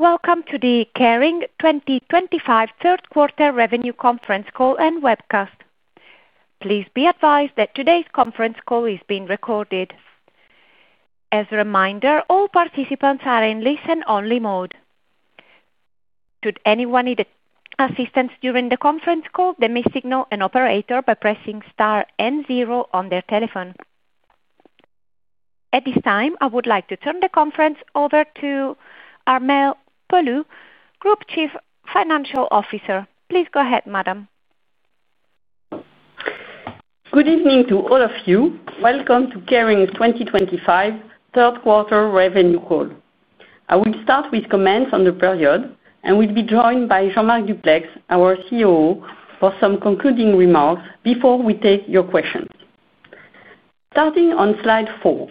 Welcome to the Kering 2025 third quarter revenue conference call and webcast. Please be advised that today's conference call is being recorded. As a reminder, all participants are in listen-only mode. Should anyone need assistance during the conference call, they may signal an operator by pressing star and zero on their telephone. At this time, I would like to turn the conference over to Armelle Poulou, Group Chief Financial Officer. Please go ahead, madam. Good evening to all of you. Welcome to Kering 2025 third quarter revenue call. I will start with comments on the period, and we'll be joined by Jean-Marc Duplaix, our COO, for some concluding remarks before we take your questions. Starting on slide four,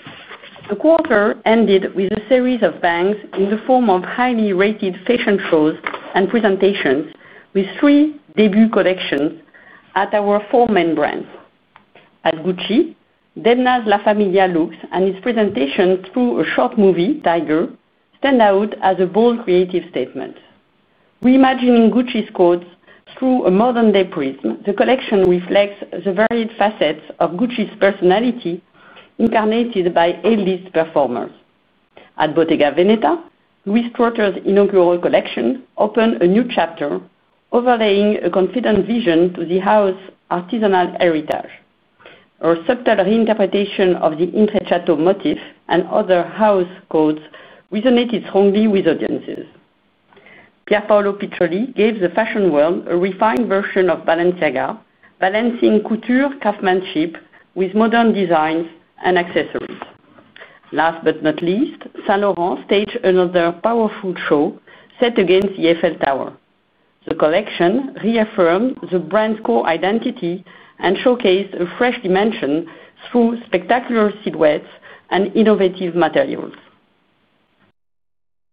the quarter ended with a series of bangs in the form of highly rated fashion shows and presentations with three debut collections at our four main brands. At Gucci, Demna's La Famiglia and its presentation through a short movie, Tiger, stand out as a bold creative statement. Reimagining Gucci's codes through a modern-day prism, the collection reflects the varied facets of Gucci's personality incarnated by A-list performers. At Bottega Veneta, Louise Trotter's inaugural collection opened a new chapter, overlaying a confident vision to the house's artisanal heritage. A subtle reinterpretation of the intrecciato motif and other house codes resonated strongly with audiences. Pierpaolo Piccioli gave the fashion world a refined version of Balenciaga, balancing couture craftsmanship with modern designs and accessories. Last but not least, Saint Laurent staged another powerful show set against the Eiffel Tower. The collection reaffirmed the brand's core identity and showcased a fresh dimension through spectacular silhouettes and innovative materials.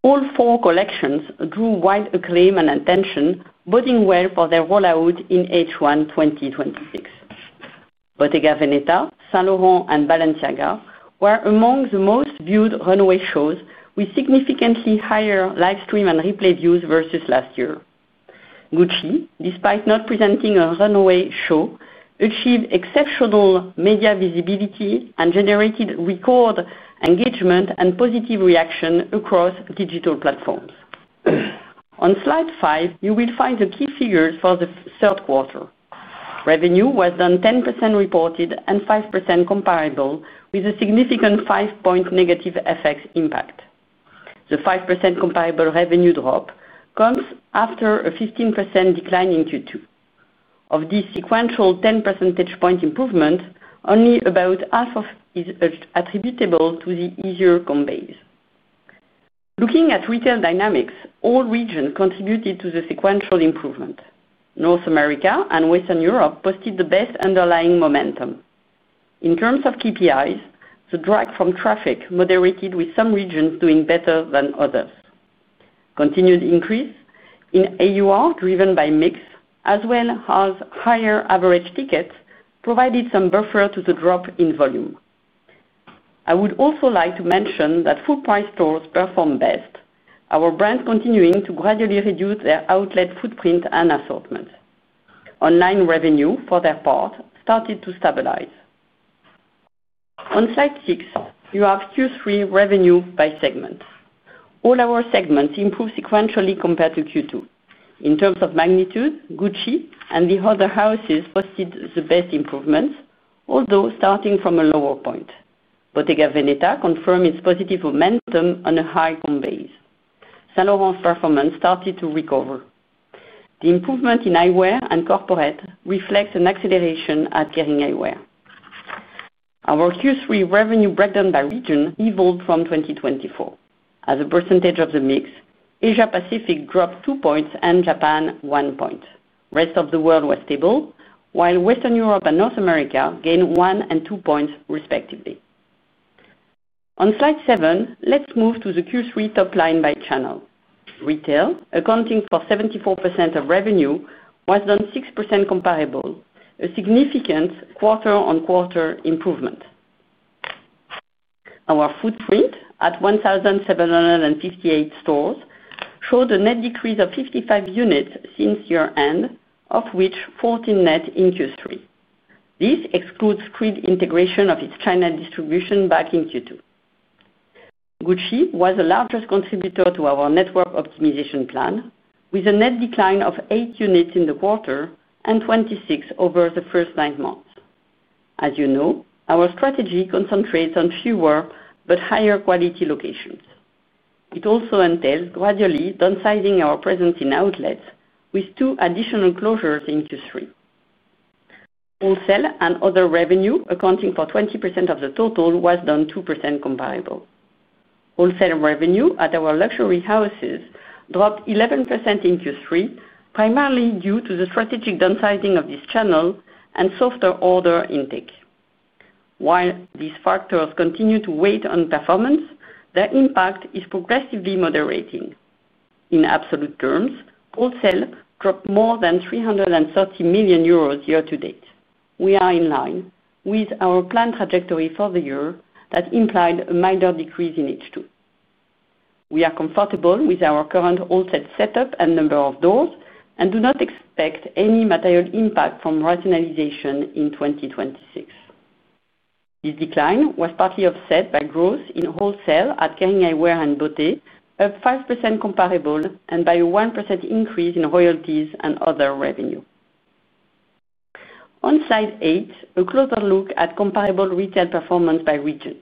All four collections drew wide acclaim and attention, boding well for their rollout in H1 2026. Bottega Veneta, Saint Laurent, and Balenciaga were among the most viewed runway shows with significantly higher livestream and replay views versus last year. Gucci, despite not presenting a runway show, achieved exceptional media visibility and generated record engagement and positive reaction across digital platforms. On slide five, you will find the key figures for the third quarter. Revenue was down 10% reported and 5% comparable, with a significant five-point negative FX impact. The 5% comparable revenue drop comes after a 15% decline in Q2. Of this sequential 10 percentage point improvement, only about 1/2 of it is attributable to the easier comps. Looking at retail dynamics, all regions contributed to the sequential improvement. North America and Western Europe posted the best underlying momentum. In terms of KPIs, the drag from traffic moderated with some regions doing better than others. Continued increase in AUR, driven by mix, as well as higher average tickets, provided some buffer to the drop in volume. I would also like to mention that full-price stores performed best, our brand continuing to gradually reduce their outlet footprint and assortment. Online revenue, for their part, started to stabilize. On slide six, you have Q3 revenue by segment. All our segments improved sequentially compared to Q2. In terms of magnitude, Gucci and the Other Houses posted the best improvements, although starting from a lower point. Bottega Veneta confirmed its positive momentum on a high convex. Saint Laurent's performance started to recover. The improvement in Eyewear and Corporate reflects an acceleration at Kering Eyewear. Our Q3 revenue breakdown by region evolved from 2024. As a percentage of the mix, Asia-Pacific dropped 2 points and Japan 1 point. The rest of the world was stable, while Western Europe and North America gained 1 and 2 points, respectively. On slide seven, let's move to the Q3 top line by channel. Retail, accounting for 74% of revenue, was then 6% comparable, a significant quarter-on-quarter improvement. Our footprint at 1,758 stores showed a net decrease of 55 units since year-end, of which 14 net in Q3. This excludes Creed integration of its China distribution back in Q2. Gucci was the largest contributor to our network optimization plan, with a net decline of 8 units in the quarter and 26 over the first 9 months. As you know, our strategy concentrates on fewer but higher-quality locations. It also entails gradually downsizing our presence in outlets with 2 additional closures in Q3. Wholesale and other revenue, accounting for 20% of the total, was then 2% comparable. Wholesale revenue at our luxury houses dropped 11% in Q3, primarily due to the strategic downsizing of this channel and softer order intake. While these factors continue to weigh on performance, their impact is progressively moderating. In absolute terms, wholesale dropped more than 330 million euros year-to-date. We are in line with our planned trajectory for the year that implied a minor decrease in H2. We are comfortable with our current wholesale setup and number of doors and do not expect any material impact from rationalization in 2026. This decline was partly offset by growth in wholesale at Kering Eyewear and Beauté, up 5% comparable, and by a 1% increase in royalties and other revenue. On slide eight, a closer look at comparable retail performance by region.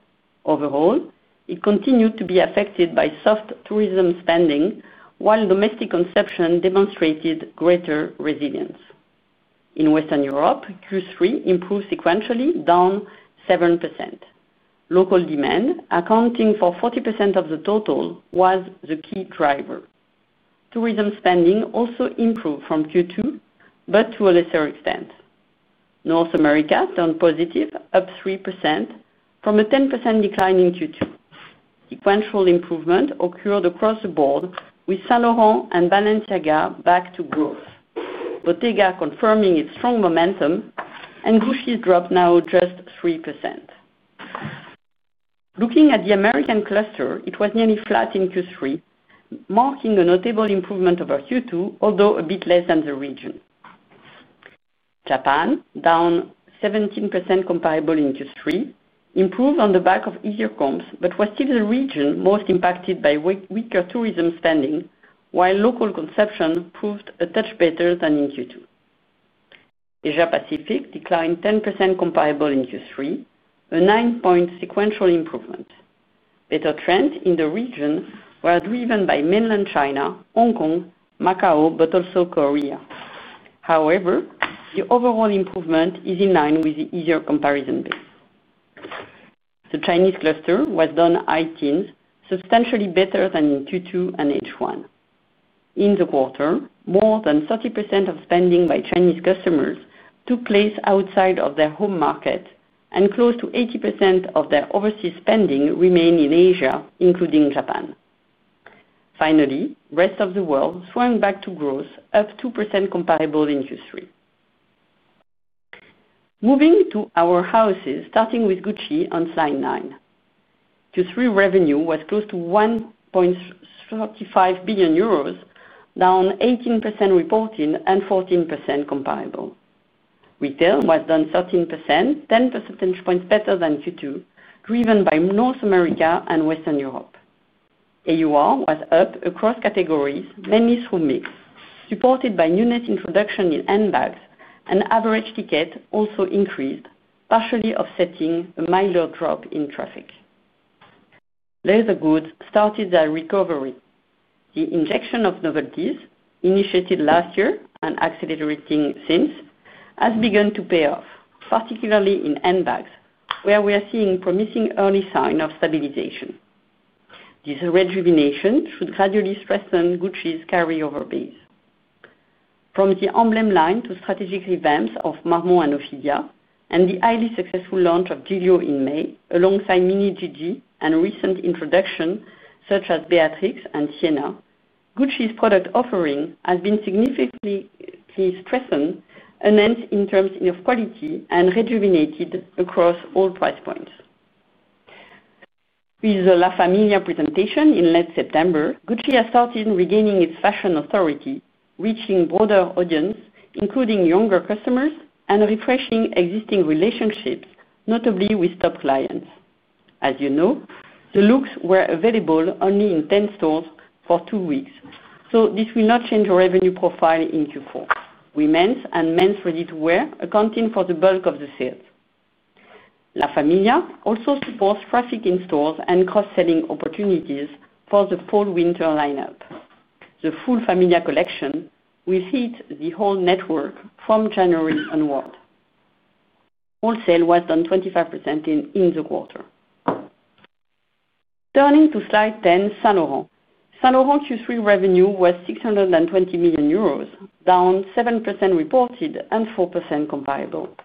Overall, it continued to be affected by soft tourism spending, while domestic consumption demonstrated greater resilience. In Western Europe, Q3 improved sequentially, down 7%. Local demand, accounting for 40% of the total, was the key driver. Tourism spending also improved from Q2, but to a lesser extent. North America turned positive, up 3% from a 10% decline in Q2. Sequential improvement occurred across the board, with Saint Laurent and Balenciaga back to growth, Bottega Veneta confirming its strong momentum, and Gucci's drop now just 3%. Looking at the American cluster, it was nearly flat in Q3, marking a notable improvement over Q2, although a bit less than the region. Japan, down 17% comparable in Q3, improved on the back of easier comps, but was still the region most impacted by weaker tourism spending, while local consumption proved a touch better than in Q2. Asia-Pacific declined 10% comparable in Q3, a nine-point sequential improvement. Better trends in the region were driven by mainland China, Hong Kong, Macao, but also Korea. However, the overall improvement is in line with the easier comparison base. The Chinese cluster was then high teens, substantially better than in Q2 and H1. In the quarter, more than 30% of spending by Chinese customers took place outside of their home market, and close to 80% of their overseas spending remained in Asia, including Japan. Finally, the rest of the world swung back to growth, up 2% comparable in Q3. Moving to our houses, starting with Gucci on slide nine. Q3 revenue was close to 1.35 billion euros, down 18% reported and 14% comparable. Retail was then 13%, 10 percentage points better than Q2, driven by North America and Western Europe. AUR was up across categories, mainly through mix, supported by newness introduction in handbags, and average tickets also increased, partially offsetting a milder drop in traffic. Leather goods started their recovery. The injection of novelties, initiated last year and accelerating since, has begun to pay off, particularly in handbags, where we are seeing promising early signs of stabilization. This rejuvenation should gradually strengthen Gucci's carryover base. From the emblem line to strategic revamps of Marmont and Ophelia, and the highly successful launch of Giulio in May, alongside Mini GiGi and recent introductions such as Beatrix and Sienna, Gucci's product offering has been significantly strengthened, enhanced in terms of quality, and rejuvenated across all price points. With the La Famiglia presentation in late September, Gucci has started regaining its fashion authority, reaching a broader audience, including younger customers, and refreshing existing relationships, notably with top clients. As you know, the looks were available only in 10 stores for two weeks, so this will not change our revenue profile in Q4. Women's and men's ready-to-wear accounted for the bulk of the sales. La Famiglia also supports traffic in stores and cross-selling opportunities for the fall-winter lineup. The full Famiglia collection will hit the whole network from January onward. Wholesale was then 25% in the quarter. Turning to slide 10, Saint Laurent. Saint Laurent Q3 revenue was 620 million euros, down 7% reported and 4% comparable.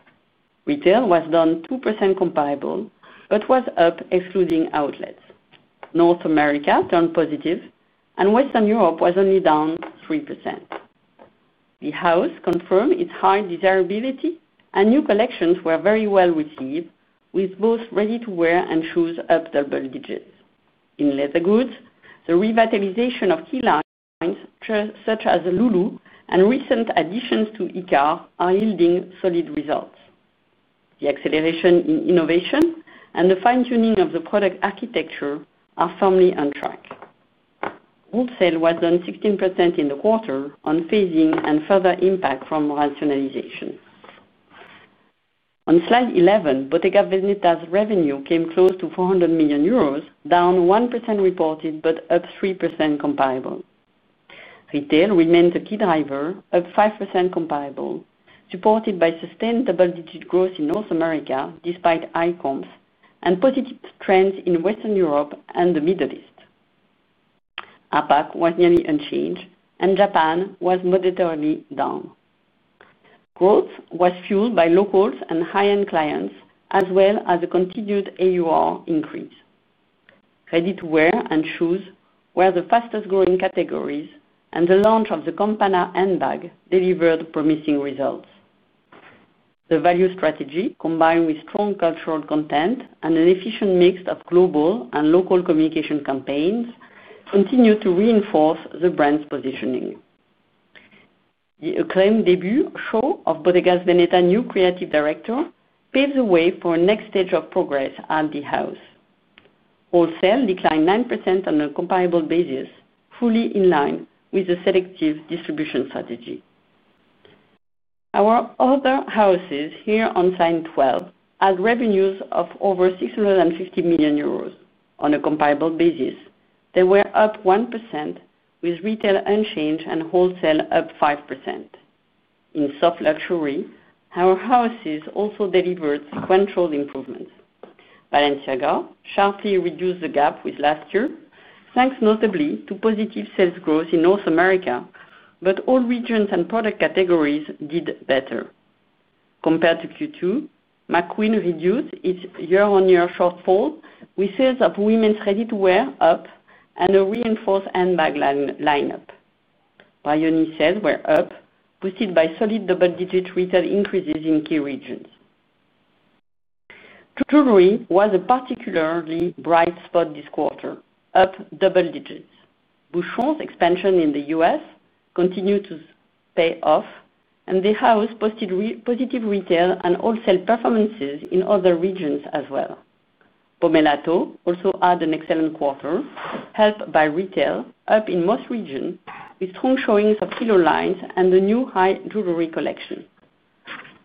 Retail was then 2% comparable, but was up, excluding outlets. North America turned positive, and Western Europe was only down 3%. The house confirmed its high desirability, and new collections were very well received, with both ready-to-wear and shoes up double digits. In leather goods, the revitalization of key lines, such as Lulu, and recent additions to Icar are yielding solid results. The acceleration in innovation and the fine-tuning of the product architecture are firmly on track. Wholesale was then 16% in the quarter, unfazed and further impact from rationalization. On slide 11, Bottega Veneta's revenue came close to 400 million euros, down 1% reported but up 3% comparable. Retail remained a key driver, up 5% comparable, supported by sustained double-digit growth in North America, despite high comps, and positive trends in Western Europe and the Middle East. Asia-Pacific was nearly unchanged, and Japan was moderately down. Growth was fueled by locals and high-end clients, as well as a continued AUR increase. Ready-to-wear and shoes were the fastest-growing categories, and the launch of the Campana handbag delivered promising results. The value strategy, combined with strong cultural content and an efficient mix of global and local communication campaigns, continued to reinforce the brand's positioning. The acclaimed debut show of Bottega Veneta's new creative director paved the way for a next stage of progress at the house. Wholesale declined 9% on a comparable basis, fully in line with the selective distribution strategy. Our other houses here on slide 12 had revenues of over 650 million euros on a comparable basis. They were up 1%, with retail unchanged and wholesale up 5%. In soft luxury, our houses also delivered sequential improvements. Balenciaga sharply reduced the gap with last year, thanks notably to positive sales growth in North America, but all regions and product categories did better. Compared to Q2, McQueen reduced its year-on-year shortfall, with sales of women's ready-to-wear up and a reinforced handbag lineup. Brioni sales were up, boosted by solid double-digit retail increases in key regions. Jewelry was a particularly bright spot this quarter, up double digits. Boucheron's expansion in the U.S. continued to pay off, and the house posted positive retail and wholesale performances in other regions as well. Pomellato also had an excellent quarter, helped by retail up in most regions, with strong showings of Kilo lines and the new high jewelry collection.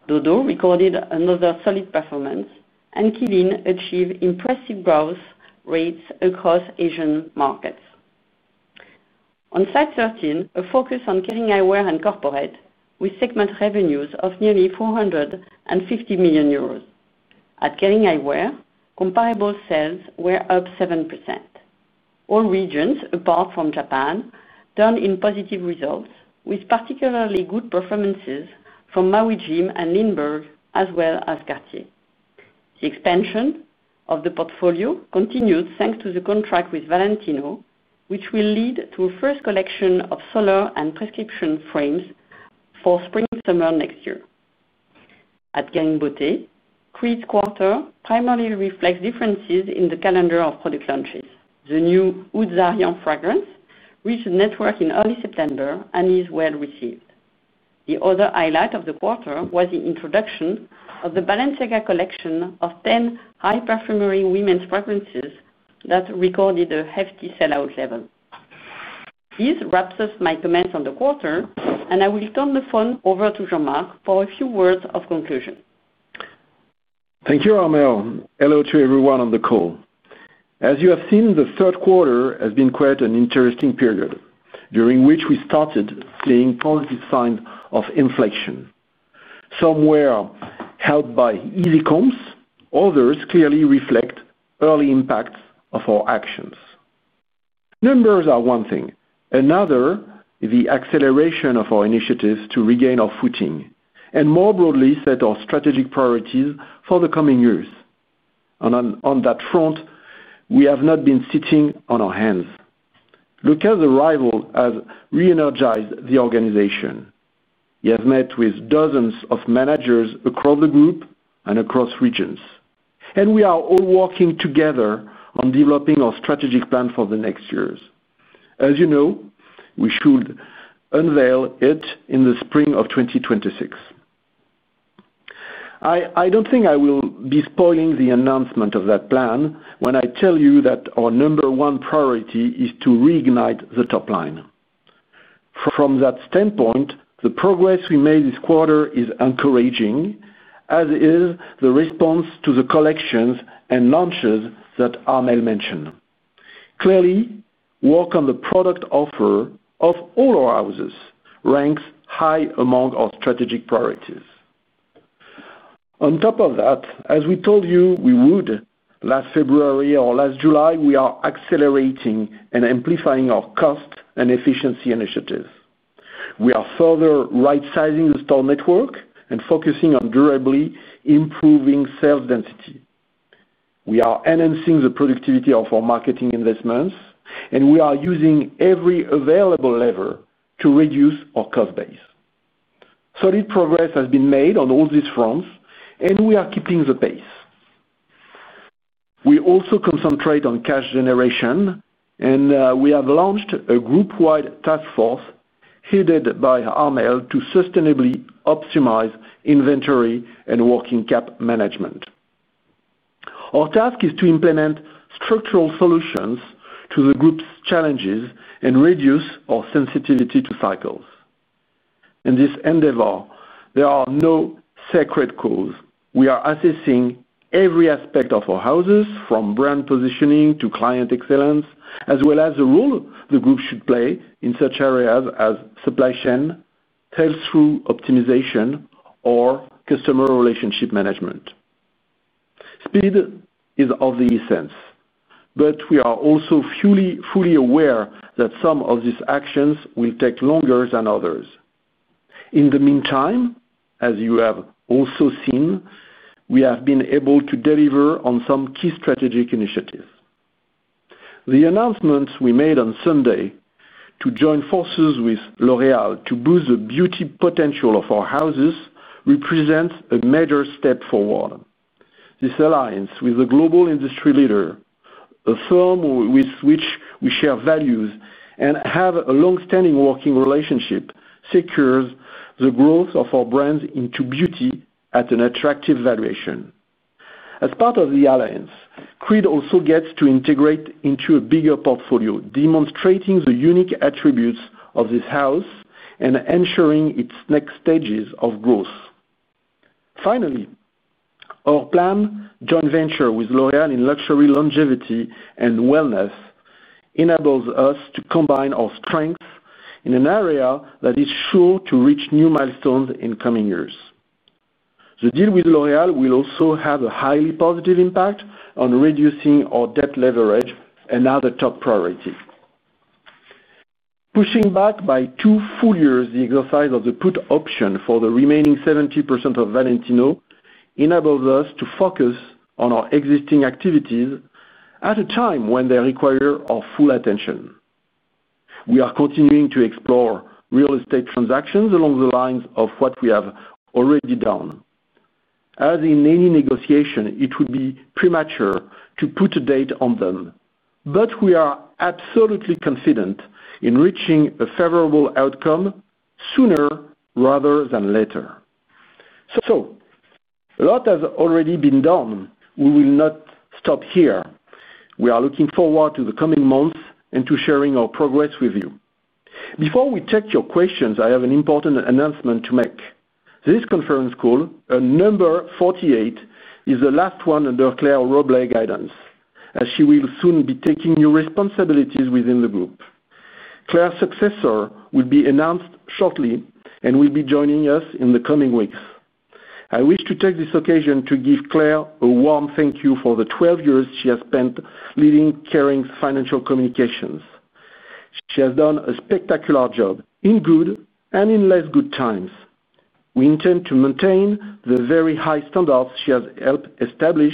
Dodo recorded another solid performance, and Qeelin achieved impressive growth rates across Asian markets. On slide 13, a focus on Kering Eyewear and Corporate, with segment revenues of nearly 450 million euros. At Kering Eyewear, comparable sales were up 7%. All regions, apart from Japan, turned in positive results, with particularly good performances from Maui Jim and Lindberg, as well as Cartier. The expansion of the portfolio continued thanks to the contract with Valentino, which will lead to a first collection of solar and prescription frames for spring/summer next year. At Kering Beauté, Creed's quarter primarily reflects differences in the calendar of product launches. The new Oud Zarian fragrance reached the network in early September and is well received. The other highlight of the quarter was the introduction of the Balenciaga collection of 10 high-perfumery women's fragrances that recorded a hefty sell-out level. This wraps up my comments on the quarter, and I will turn the phone over to Jean-Marc for a few words of conclusion. Thank you, Armelle. Hello to everyone on the call. As you have seen, the third quarter has been quite an interesting period, during which we started seeing positive signs of inflection. Some were helped by easy comps, others clearly reflect early impacts of our actions. Numbers are one thing. Another, the acceleration of our initiatives to regain our footing and more broadly set our strategic priorities for the coming years. On that front, we have not been sitting on our hands. Luca's arrival has re-energized the organization. He has met with dozens of managers across the group and across regions. We are all working together on developing our strategic plan for the next years. As you know, we should unveil it in the spring of 2026. I don't think I will be spoiling the announcement of that plan when I tell you that our number one priority is to reignite the top line. From that standpoint, the progress we made this quarter is encouraging, as is the response to the collections and launches that Armelle mentioned. Clearly, work on the product offer of all our houses ranks high among our strategic priorities. On top of that, as we told you we would, last February or last July, we are accelerating and amplifying our cost and efficiency initiatives. We are further right-sizing the store network and focusing on durably improving sales density. We are enhancing the productivity of our marketing investments, and we are using every available lever to reduce our cost base. Solid progress has been made on all these fronts, and we are keeping the pace. We also concentrate on cash generation, and we have launched a group-wide task force headed by Armelle to sustainably optimize inventory and working cap management. Our task is to implement structural solutions to the group's challenges and reduce our sensitivity to cycles. In this endeavor, there are no secret codes. We are assessing every aspect of our houses, from brand positioning to client excellence, as well as the role the group should play in such areas as supply chain, sales through optimization, or customer relationship management. Speed is of the essence, but we are also fully aware that some of these actions will take longer than others. In the meantime, as you have also seen, we have been able to deliver on some key strategic initiatives. The announcements we made on Sunday to join forces with L'Oréal to boost the beauty potential of our houses represent a major step forward. This alliance with a global industry leader, a firm with which we share values and have a long-standing working relationship, secures the growth of our brands into beauty at an attractive valuation. As part of the alliance, Creed also gets to integrate into a bigger portfolio, demonstrating the unique attributes of this house and ensuring its next stages of growth. Finally, our plan, joint venture with L'Oréal in luxury longevity and wellness, enables us to combine our strengths in an area that is sure to reach new milestones in the coming years. The deal with L'Oréal will also have a highly positive impact on reducing our debt leverage and other top priorities. Pushing back by two full years, the exercise of the put option for the remaining 70% of Valentino enables us to focus on our existing activities at a time when they require our full attention. We are continuing to explore real estate transactions along the lines of what we have already done. As in any negotiation, it would be premature to put a date on them, but we are absolutely confident in reaching a favorable outcome sooner rather than later. A lot has already been done. We will not stop here. We are looking forward to the coming months and to sharing our progress with you. Before we take your questions, I have an important announcement to make. This conference call, number 48, is the last one under Claire Roblet's guidance, as she will soon be taking new responsibilities within the group. Claire's successor will be announced shortly and will be joining us in the coming weeks. I wish to take this occasion to give Claire a warm thank you for the 12 years she has spent leading Kering's financial communications. She has done a spectacular job in good and in less good times. We intend to maintain the very high standards she has helped establish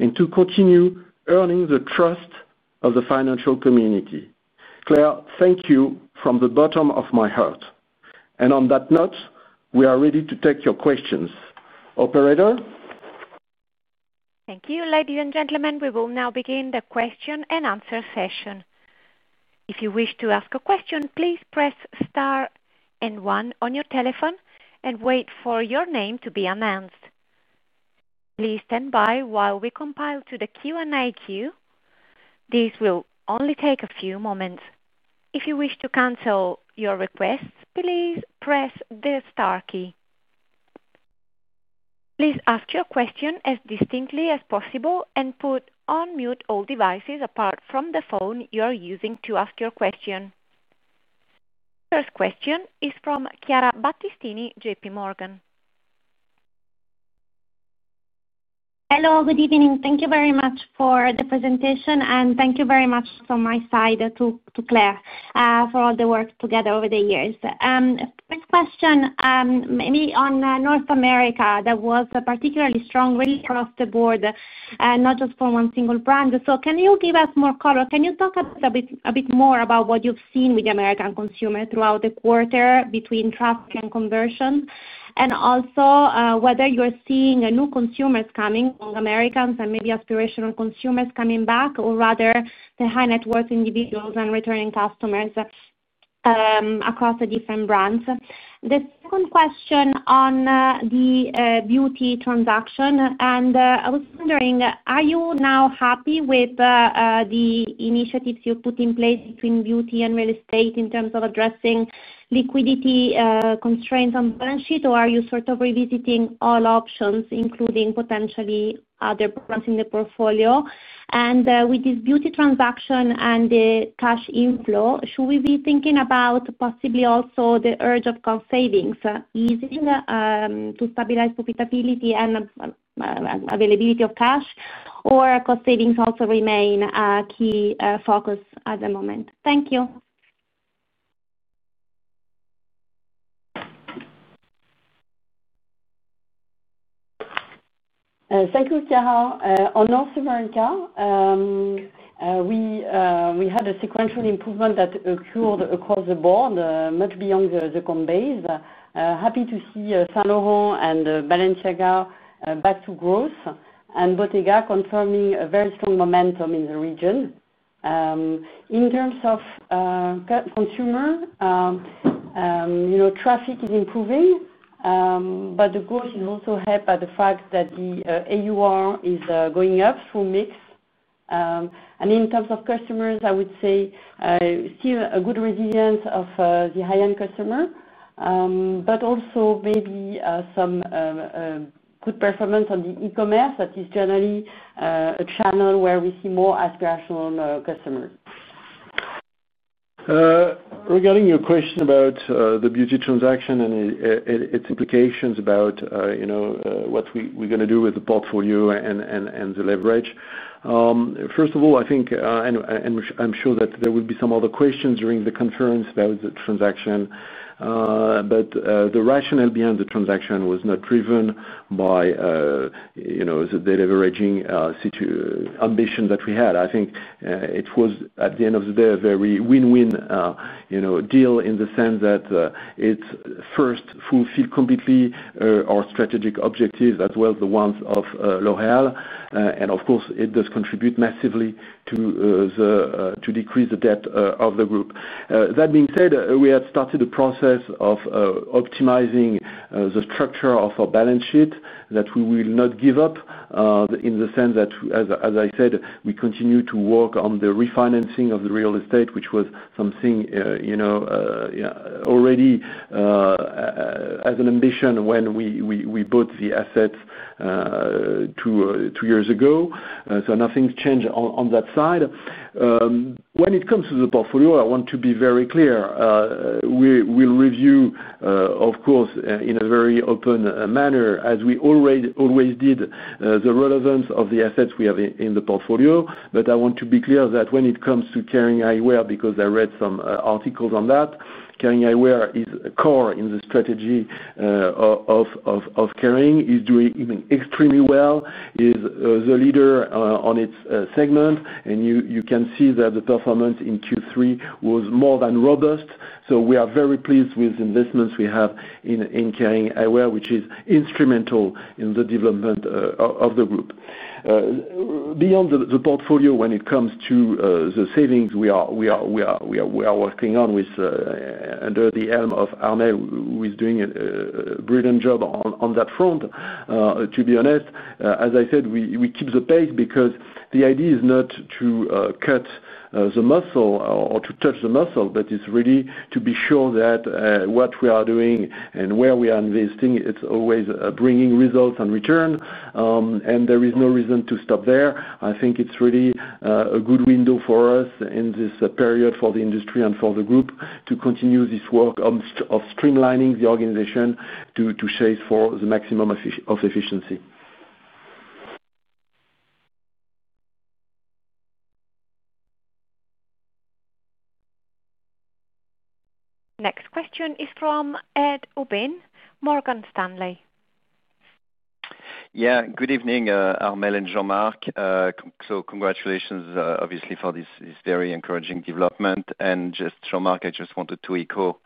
and to continue earning the trust of the financial community. Claire, thank you from the bottom of my heart. On that note, we are ready to take your questions. Operator? Thank you, ladies and gentlemen. We will now begin the question and answer session. If you wish to ask a question, please press star and one on your telephone and wait for your name to be announced. Please stand by while we compile the Q&A queue. This will only take a few moments. If you wish to cancel your request, please press the star key. Please ask your question as distinctly as possible and put on mute all devices apart from the phone you are using to ask your question. First question is from Chiara Battistini, JPMorgan. Hello. Good evening. Thank you very much for the presentation, and thank you very much from my side to Claire for all the work together over the years. First question, maybe on North America, there was a particularly strong read across the board, not just for one single brand. Can you give us more color? Can you talk a bit more about what you've seen with the American consumer throughout the quarter between trust and conversion, and also whether you're seeing new consumers coming, young Americans and maybe aspirational consumers coming back, or rather the high net worth individuals and returning customers across the different brands? The second question on the Beauté transaction, I was wondering, are you now happy with the initiatives you've put in place between beauty and real estate in terms of addressing liquidity constraints on the balance sheet, or are you sort of revisiting all options, including potentially other brands in the portfolio? With this beauty transaction and the cash inflow, should we be thinking about possibly also the urge of cost savings, easing to stabilize profitability and availability of cash, or cost savings also remain a key focus at the moment? Thank you. Thank you, Chiara. On North America, we had a sequential improvement that occurred across the board, much beyond the compares. Happy to see Saint Laurent and Balenciaga back to growth, and Bottega Veneta confirming a very strong momentum in the region. In terms of consumer, traffic is improving, but the growth is also helped by the fact that the AUR is going up through mix. In terms of customers, I would say still a good resilience of the high-end customer, but also maybe some good performance on the e-commerce that is generally a channel where we see more aspirational customers. Regarding your question about the Beauté transaction and its implications about what we're going to do with the portfolio and the leverage, first of all, I think, and I'm sure that there will be some other questions during the conference about the transaction, but the rationale behind the transaction was not driven by the leveraging ambition that we had. I think it was, at the end of the day, a very win-win deal in the sense that it first fulfilled completely our strategic objectives, as well as the ones of L'Oréal. Of course, it does contribute massively to decrease the debt of the group. That being said, we had started the process of optimizing the structure of our balance sheet that we will not give up in the sense that, as I said, we continue to work on the refinancing of the real estate, which was something already as an ambition when we bought the assets two years ago. Nothing's changed on that side. When it comes to the portfolio, I want to be very clear. We'll review, of course, in a very open manner, as we always did, the relevance of the assets we have in the portfolio. I want to be clear that when it comes to Kering Eyewear, because I read some articles on that, Kering Eyewear is a core in the strategy of Kering, is doing extremely well, is the leader on its segment. You can see that the performance in Q3 was more than robust. We are very pleased with the investments we have in Kering Eyewear, which is instrumental in the development of the group. Beyond the portfolio, when it comes to the savings, we are working on with, under the helm of Armelle, who is doing a brilliant job on that front. To be honest, as I said, we keep the pace because the idea is not to cut the muscle or to touch the muscle, but it's really to be sure that what we are doing and where we are investing, it's always bringing results and return. There is no reason to stop there. I think it's really a good window for us in this period for the industry and for the group to continue this work of streamlining the organization to chase for the maximum of efficiency. Next question is from Ed Aubin, Morgan Stanley. Good evening, Armelle and Jean-Marc. Congratulations, obviously, for this very encouraging development. Jean-Marc, I just wanted to echo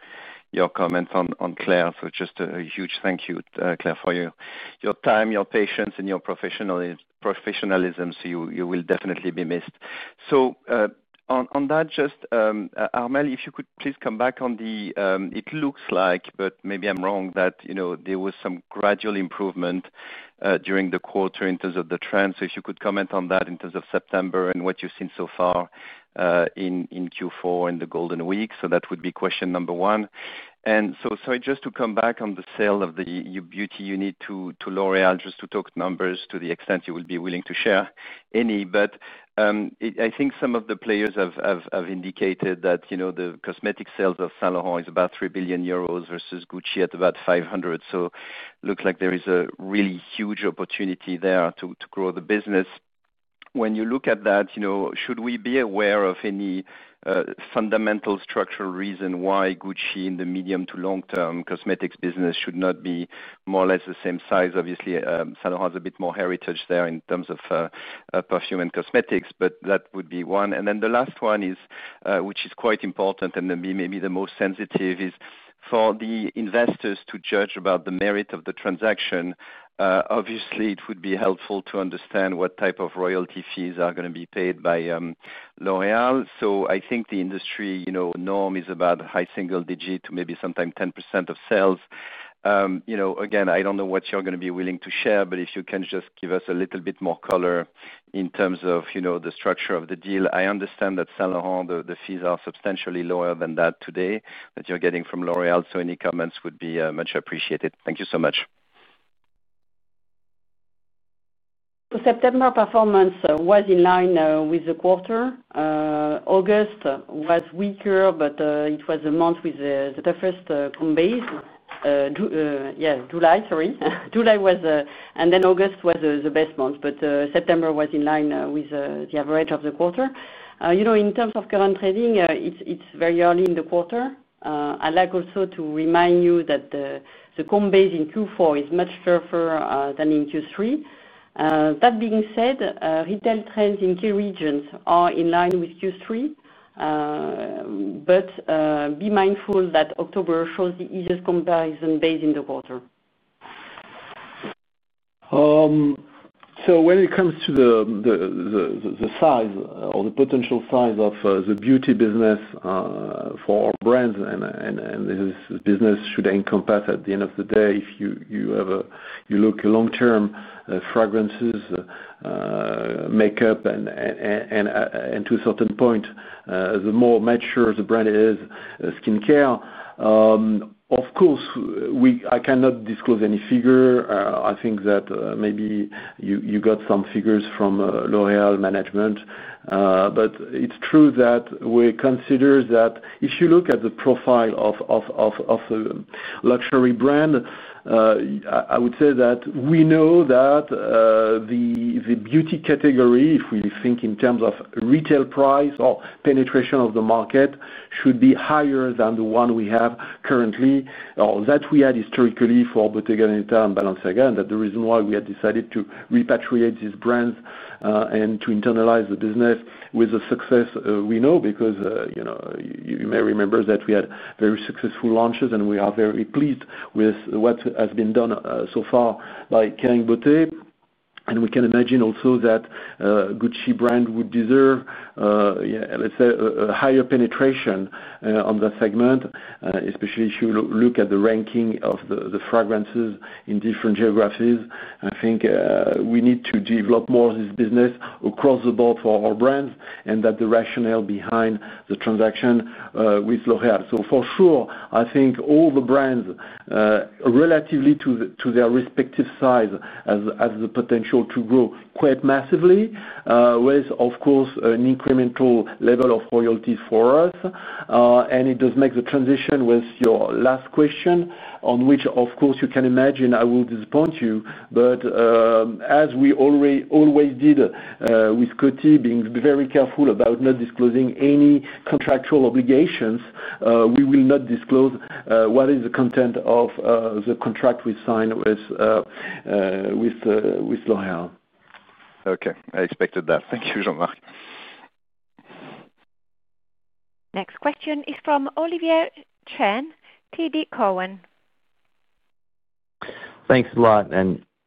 your comments on Claire. A huge thank you, Claire, for your time, your patience, and your professionalism. You will definitely be missed. Armelle, if you could please come back on the, it looks like, but maybe I'm wrong, that there was some gradual improvement during the quarter in terms of the trends. If you could comment on that in terms of September and what you've seen so far in Q4 in the Golden Week, that would be question number one. Sorry, just to come back on the sale of the beauty unit to L'Oréal, just to talk numbers to the extent you will be willing to share any. I think some of the players have indicated that the cosmetic sales of Saint Laurent is about 3 billion euros versus Gucci at about 500 million. It looks like there is a really huge opportunity there to grow the business. When you look at that, should we be aware of any fundamental structural reason why Gucci in the medium to long-term cosmetics business should not be more or less the same size? Obviously, Saint Laurent has a bit more heritage there in terms of perfume and cosmetics, but that would be one. The last one, which is quite important and maybe the most sensitive, is for the investors to judge about the merit of the transaction. Obviously, it would be helpful to understand what type of royalty fees are going to be paid by L'Oréal. I think the industry norm is about high single digit to maybe sometimes 10% of sales. Again, I don't know what you're going to be willing to share, but if you can just give us a little bit more color in terms of the structure of the deal. I understand that Saint Laurent, the fees are substantially lower than that today that you're getting from L'Oréal. Any comments would be much appreciated. Thank you so much. September performance was in line with the quarter. July was weaker, but it was a month with the first conveys. August was the best month, and then September was in line with the average of the quarter. You know, in terms of current trading, it's very early in the quarter. I'd like also to remind you that the conveys in Q4 is much sharper than in Q3. That being said, retail trends in key regions are in line with Q3, but be mindful that October shows the easiest comparison base in the quarter. When it comes to the size or the potential size of the beauty business for our brands, this business should encompass, at the end of the day, if you look long-term, fragrances, makeup, and to a certain point, the more mature the brand is, skincare. Of course, I cannot disclose any figure. I think that maybe you got some figures from L'Oréal management. It's true that we consider that if you look at the profile of the luxury brand, I would say that we know that the beauty category, if we think in terms of retail price or penetration of the market, should be higher than the one we have currently or that we had historically for Bottega Veneta and Balenciaga. That's the reason why we decided to repatriate these brands and to internalize the business with the success we know because, you know, you may remember that we had very successful launches and we are very pleased with what has been done so far by Kering Beauté. We can imagine also that Gucci brand would deserve, let's say, a higher penetration on that segment, especially if you look at the ranking of the fragrances in different geographies. I think we need to develop more of this business across the board for our brands and that's the rationale behind the transaction with L'Oréal. For sure, I think all the brands, relative to their respective size, have the potential to grow quite massively, with, of course, an incremental level of royalties for us. It does make the transition with your last question, on which, of course, you can imagine I will disappoint you. As we always did with Coty, being very careful about not disclosing any contractual obligations, we will not disclose what is the content of the contract we signed with L'Oréal. Okay. I expected that. Thank you, Jean-Marc. Next question is from Oliver Chen, TD Cowen. Thanks a lot.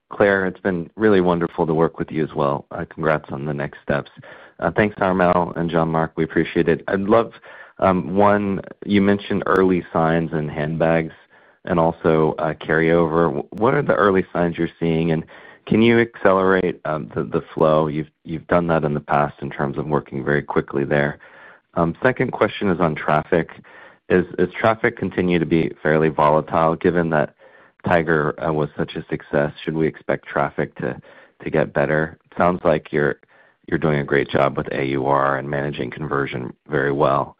Claire, it's been really wonderful to work with you as well. Congrats on the next steps. Thanks, Armelle and Jean-Marc. We appreciate it. I'd love, one, you mentioned early signs in handbags and also carryover. What are the early signs you're seeing? Can you accelerate the flow? You've done that in the past in terms of working very quickly there. My second question is on traffic. Is traffic continuing to be fairly volatile? Given that Tiger was such a success, should we expect traffic to get better? It sounds like you're doing a great job with AUR and managing conversion very well.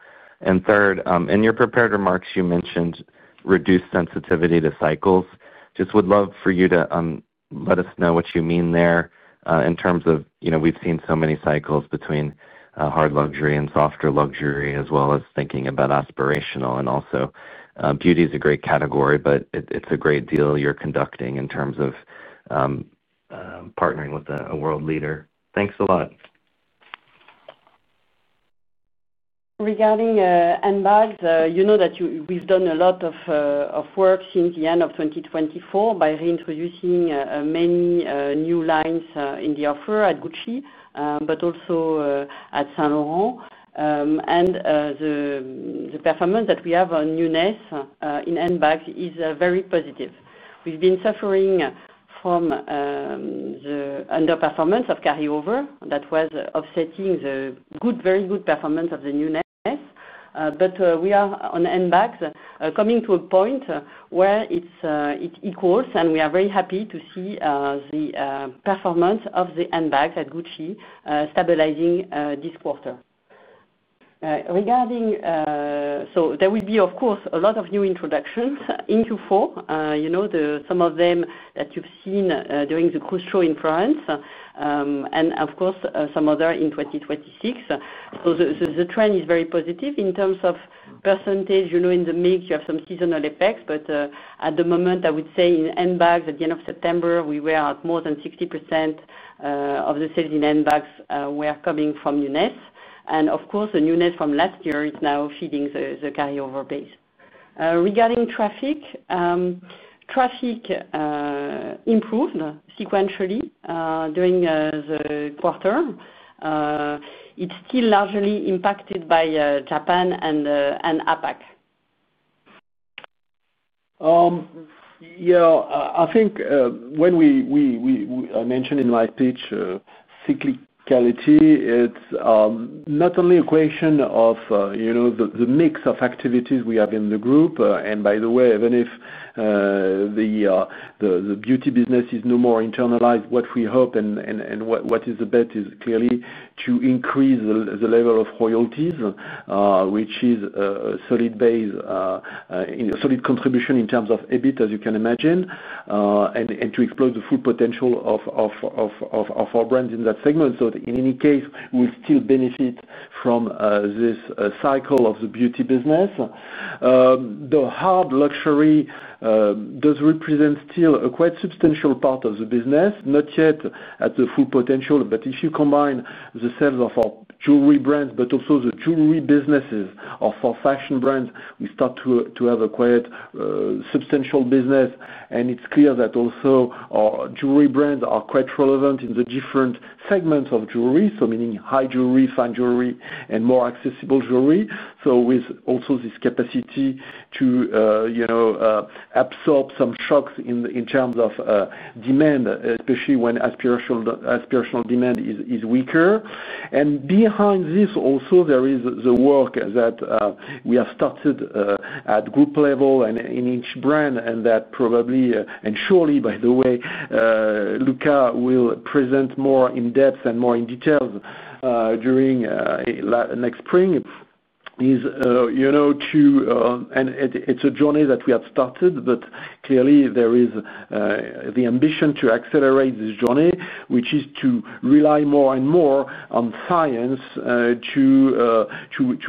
Third, in your prepared remarks, you mentioned reduced sensitivity to cycles. I would love for you to let us know what you mean there, in terms of, you know, we've seen so many cycles between hard luxury and softer luxury, as well as thinking about aspirational. Also, beauty is a great category, but it's a great deal you're conducting in terms of partnering with a world leader. Thanks a lot. Regarding handbags, you know that we've done a lot of work since the end of 2024 by reintroducing many new lines in the offer at Gucci, but also at Saint Laurent. The performance that we have on newness in handbags is very positive. We've been suffering from the underperformance of carryover that was offsetting the very good performance of the newness. We are on handbags coming to a point where it equals, and we are very happy to see the performance of the handbags at Gucci stabilizing this quarter. There will be, of course, a lot of new introductions in Q4. You know some of them that you've seen during the cruise show in France, and of course, some other in 2026. The trend is very positive. In terms of %, you know in the mix, you have some seasonal effects. At the moment, I would say in handbags, at the end of September, we were at more than 60% of the sales in handbags were coming from newness. Of course, the newness from last year is now feeding the carryover base. Regarding traffic, traffic improved sequentially during the quarter. It's still largely impacted by Japan and APAC. Yeah. I think when I mentioned in my pitch, cyclicality, it's not only a question of the mix of activities we have in the group. By the way, even if the beauty business is no more internalized, what we hope and what is the bet is clearly to increase the level of royalties, which is a solid contribution in terms of EBIT, as you can imagine, and to exploit the full potential of our brands in that segment. In any case, we'll still benefit from this cycle of the beauty business. The hard luxury does represent still a quite substantial part of the business, not yet at the full potential. If you combine the sales of our jewelry brands, but also the jewelry businesses of our fashion brands, we start to have a quite substantial business. It's clear that also our jewelry brands are quite relevant in the different segments of jewelry, meaning high jewelry, fine jewelry, and more accessible jewelry, with also this capacity to absorb some shocks in terms of demand, especially when aspirational demand is weaker. Behind this also, there is the work that we have started at group level and in each brand. That probably, and surely, by the way, Luca will present more in depth and more in detail during next spring. It's a journey that we have started, but clearly, there is the ambition to accelerate this journey, which is to rely more and more on science to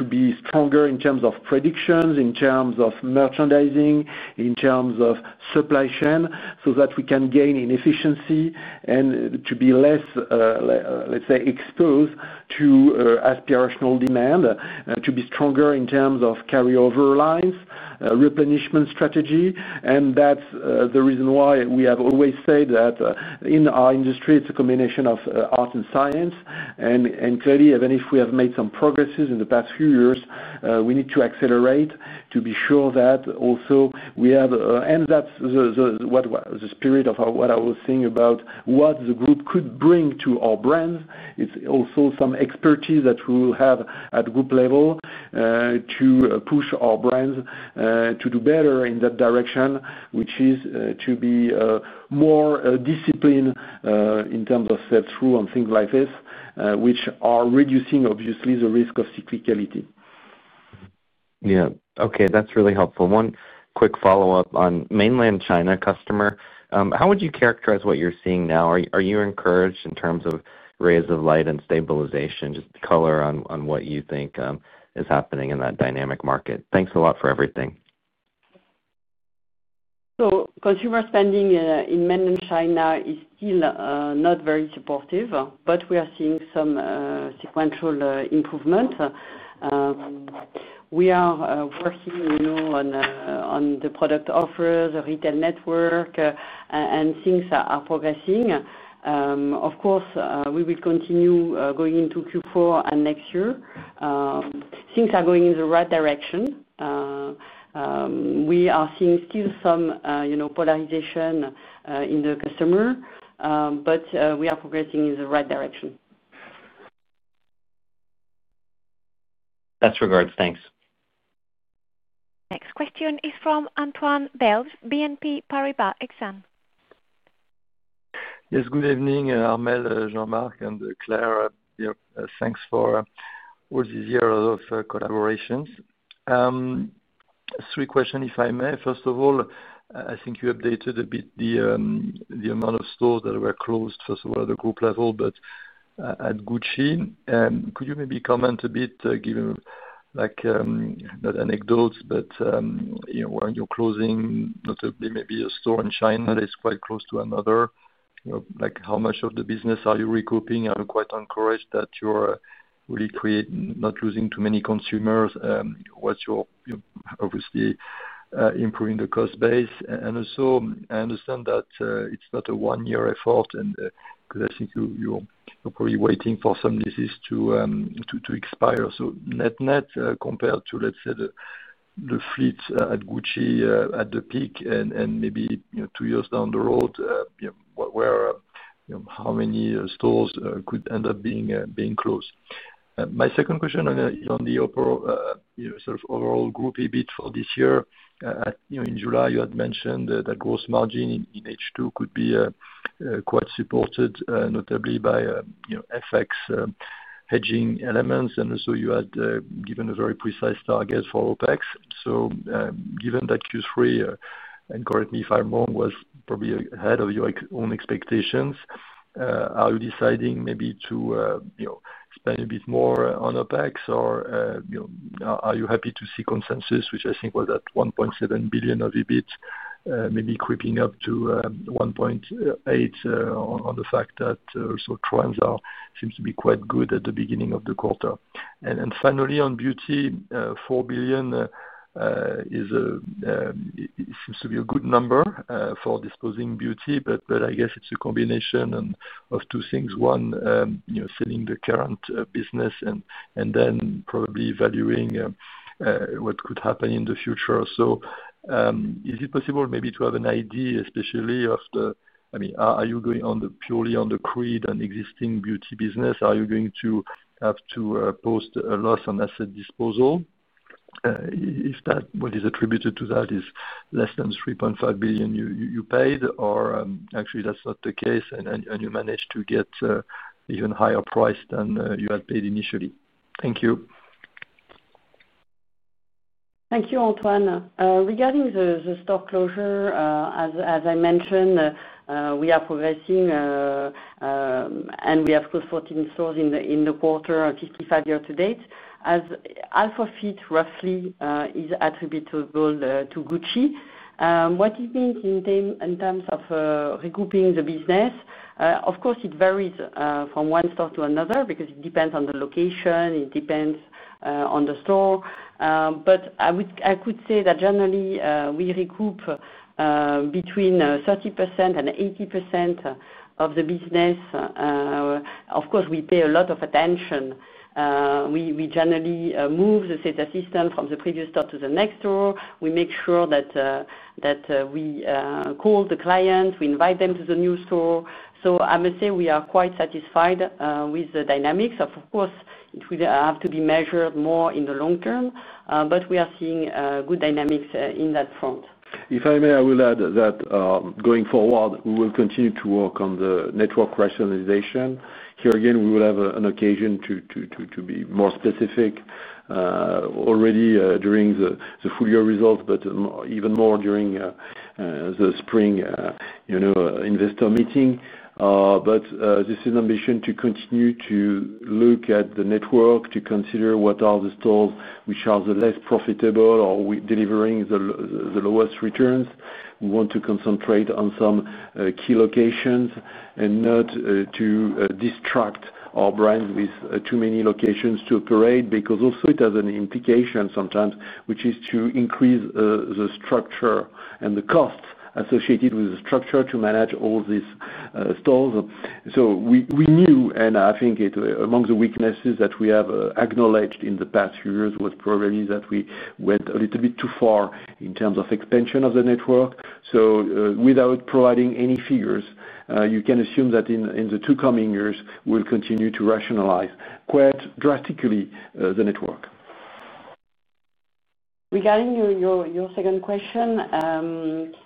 be stronger in terms of predictions, in terms of merchandising, in terms of supply chain, so that we can gain in efficiency and to be less, let's say, exposed to aspirational demand, to be stronger in terms of carryover lines, replenishment strategy. That's the reason why we have always said that in our industry, it's a combination of art and science. Clearly, even if we have made some progresses in the past few years, we need to accelerate to be sure that also we have, and that's the spirit of what I was saying about what the group could bring to our brands. It's also some expertise that we will have at group level to push our brands to do better in that direction, which is to be more disciplined in terms of step-through and things like this, which are reducing, obviously, the risk of cyclicality. Yeah. Okay. That's really helpful. One quick follow-up on mainland China customer. How would you characterize what you're seeing now? Are you encouraged in terms of rays of light and stabilization, just color on what you think is happening in that dynamic market? Thanks a lot for everything. Consumer spending in mainland China is still not very supportive, but we are seeing some sequential improvements. We are working on the product offers, the retail network, and things are progressing. Of course, we will continue going into Q4 and next year. Things are going in the right direction. We are seeing still some polarization in the customer, but we are progressing in the right direction. Best regards. Thanks. Next question is from Antoine Belge, BNP Paribas Exane. Yes. Good evening, Armelle, Jean-Marc, and Claire. Thanks for all these years of collaborations. Three questions, if I may. First of all, I think you updated a bit the amount of stores that were closed, first of all, at the group level, but at Gucci. Could you maybe comment a bit, giving like not anecdotes, but when you're closing, not only maybe a store in China that is quite close to another, you know, like how much of the business are you recouping? Are you quite encouraged that you're really creating, not losing too many consumers? What's your, obviously, improving the cost base? I understand that it's not a one-year effort, and because I think you're probably waiting for some leases to expire. Net-net, compared to, let's say, the fleet at Gucci at the peak and maybe two years down the road, how many stores could end up being closed? My second question on the sort of overall group EBIT for this year. In July, you had mentioned that gross margin in H2 could be quite supported, notably by FX hedging elements. You had given a very precise target for OpEx. Given that Q3, and correct me if I'm wrong, was probably ahead of your own expectations, are you deciding maybe to spend a bit more on OpEx, or are you happy to see consensus, which I think was at 1.7 billion of EBIT, maybe creeping up to 1.8 billion on the fact that also trends seem to be quite good at the beginning of the quarter? Finally, on beauty, 4 billion seems to be a good number for disposing beauty, but I guess it's a combination of two things. One, you know, selling the current business and then probably evaluating what could happen in the future. Is it possible maybe to have an idea, especially of the, I mean, are you going purely on the Creed and existing beauty business? Are you going to have to post a loss on asset disposal? If that, what is attributed to that, is less than the 3.5 billion you paid, or actually, that's not the case, and you managed to get an even higher price than you had paid initially? Thank you. Thank you, Antoine. Regarding the store closure, as I mentioned, we are progressing, and we have, of course, 14 stores in the quarter and 55 year to date. As Alpha Fit roughly is attributable to Gucci, what do you mean in terms of recouping the business? It varies from one store to another because it depends on the location. It depends on the store. I could say that generally, we recoup between 30% and 80% of the business. We pay a lot of attention. We generally move the sales assistant from the previous store to the next store. We make sure that we call the clients. We invite them to the new store. I must say we are quite satisfied with the dynamics. It would have to be measured more in the long term, but we are seeing good dynamics in that front. If I may, I will add that going forward, we will continue to work on the network rationalization. Here again, we will have an occasion to be more specific already during the full-year results, but even more during the spring investor meeting. This is an ambition to continue to look at the network, to consider what are the stores which are the less profitable or delivering the lowest returns. We want to concentrate on some key locations and not to distract our brand with too many locations to operate because also it has an implication sometimes, which is to increase the structure and the costs associated with the structure to manage all these stores. We knew, and I think it's among the weaknesses that we have acknowledged in the past few years, was probably that we went a little bit too far in terms of expansion of the network. Without providing any figures, you can assume that in the two coming years, we'll continue to rationalize quite drastically the network. Regarding your second question,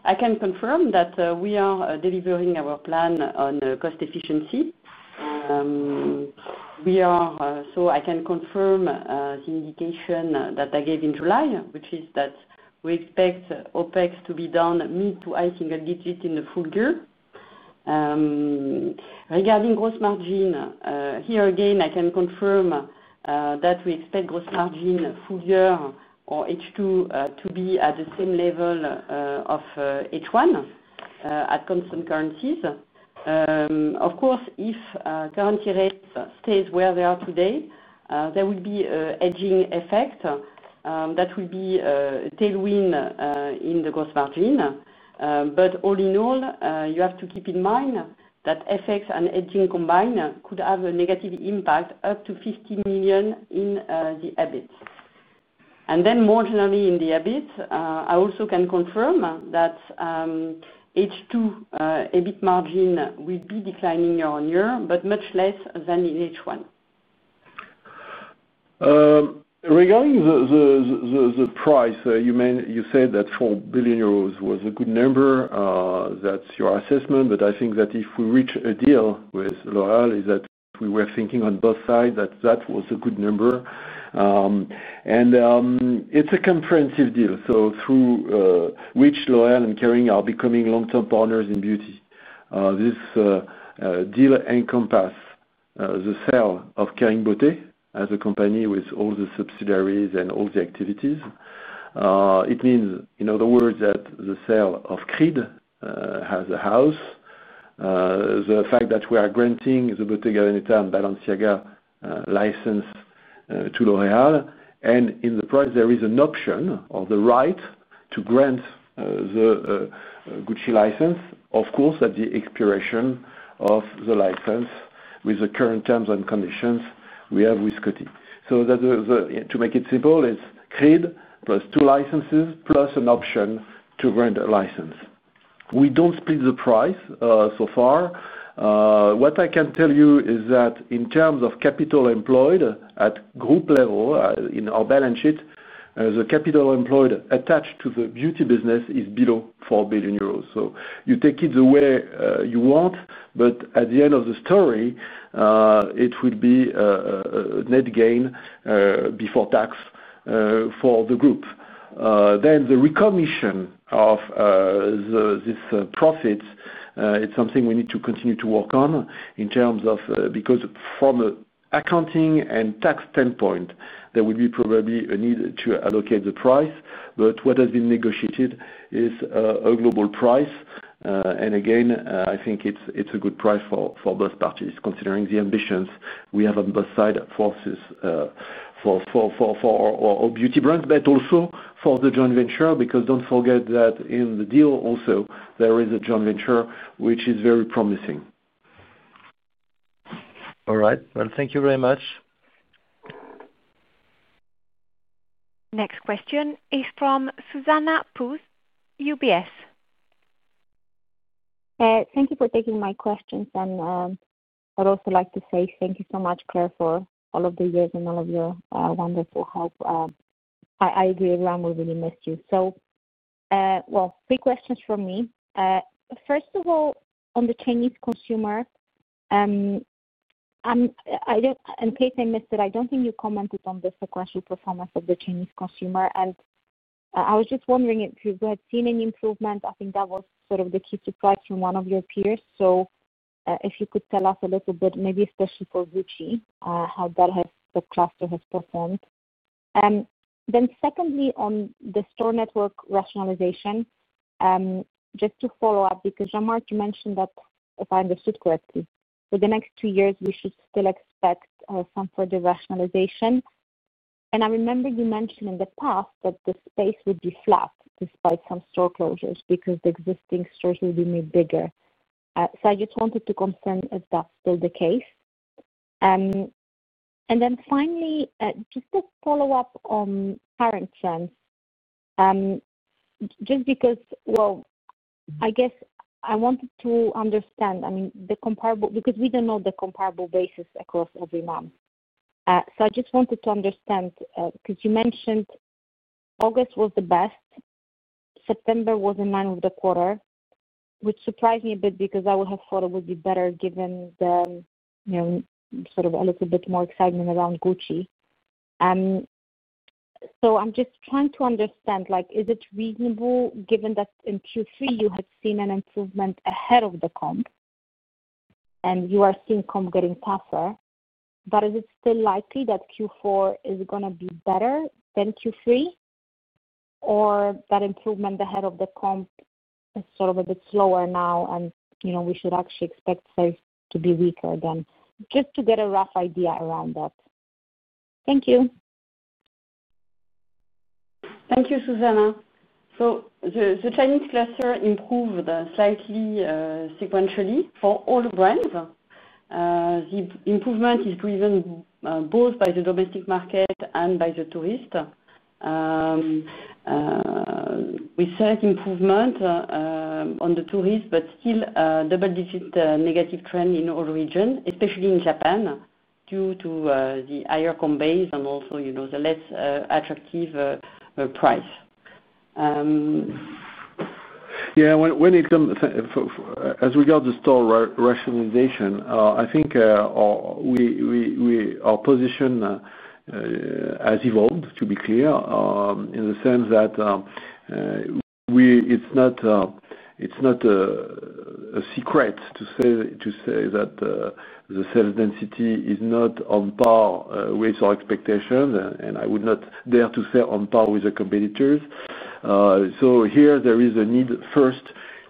I can confirm that we are delivering our plan on cost efficiency. I can confirm the indication that I gave in July, which is that we expect OpEx to be done mid to, I think, a little bit in the full year. Regarding gross margin, here again, I can confirm that we expect gross margin full year or H2 to be at the same level of H1 at constant currencies. Of course, if currency rates stay where they are today, there will be a hedging effect. That will be a tailwind in the gross margin. All in all, you have to keep in mind that FX and hedging combined could have a negative impact up to 50 million in the EBIT. More generally in the EBIT, I also can confirm that H2 EBIT margin will be declining year-on-year, but much less than in H1. Regarding the price, you said that 4 billion euros was a good number. That's your assessment. I think that if we reach a deal with L'Oréal, it is because we were thinking on both sides that that was a good number. It's a comprehensive deal, through which L'Oréal and Kering are becoming long-term partners in beauty. This deal encompasses the sale of Kering Beauté as a company with all the subsidiaries and all the activities. It means, in other words, that the sale of Creed as a house, the fact that we are granting the Bottega Veneta and Balenciaga license to L'Oréal. In the price, there is an option or the right to grant the Gucci license, of course, at the expiration of the license with the current terms and conditions we have with Coty. To make it simple, it's Creed plus two licenses plus an option to grant a license. We don't split the price so far. What I can tell you is that in terms of capital employed at group level in our balance sheet, the capital employed attached to the beauty business is below 4 billion euros. You take it the way you want, but at the end of the story, it will be a net gain before tax for the group. The recognition of this profit is something we need to continue to work on because from an accounting and tax standpoint, there will probably be a need to allocate the price. What has been negotiated is a global price. I think it's a good price for both parties considering the ambitions we have on both sides for beauty brands, but also for the joint venture because don't forget that in the deal, there is a joint venture which is very promising. All right. Thank you very much. Next question is from Zuzanna Pusz, UBS. Thank you for taking my questions. I'd also like to say thank you so much, Claire, for all of the years and all of your wonderful help. I agree, everyone will really miss you. Three questions from me. First of all, on the Chinese consumer, in case I missed it, I don't think you commented on the sequential performance of the Chinese consumer. I was just wondering if you had seen any improvement. I think that was sort of the key surprise from one of your peers. If you could tell us a little bit, maybe especially for Gucci, how that cluster has performed. Secondly, on the store network rationalization, just to follow up because Jean-Marc, you mentioned that, if I understood correctly, for the next two years, we should still expect some further rationalization. I remember you mentioned in the past that the space would be flat despite some store closures because the existing stores will be made bigger. I just wanted to confirm if that's still the case. Finally, just a follow-up on current trends, I guess I wanted to understand, I mean, the comparable because we don't know the comparable basis across every month. I just wanted to understand because you mentioned August was the best. September was in line with the quarter, which surprised me a bit because I would have thought it would be better given the, you know, sort of a little bit more excitement around Gucci. I'm just trying to understand, is it reasonable given that in Q3, you had seen an improvement ahead of the comp and you are seeing comp getting tougher, but is it still likely that Q4 is going to be better than Q3 or that improvement ahead of the comp is sort of a bit slower now and we should actually expect sales to be weaker then, just to get a rough idea around that? Thank you. Thank you, Zuzanna. The Chinese cluster improved slightly sequentially for all the brands. The improvement is driven both by the domestic market and by the tourist. We saw improvement on the tourist, but still a double-digit negative trend in all regions, especially in Japan due to the higher comp base and also the less attractive price. Yeah. As regards to store rationalization, I think our position has evolved, to be clear, in the sense that it's not a secret to say that the sales density is not on par with our expectations, and I would not dare to say on par with the competitors. There is a need first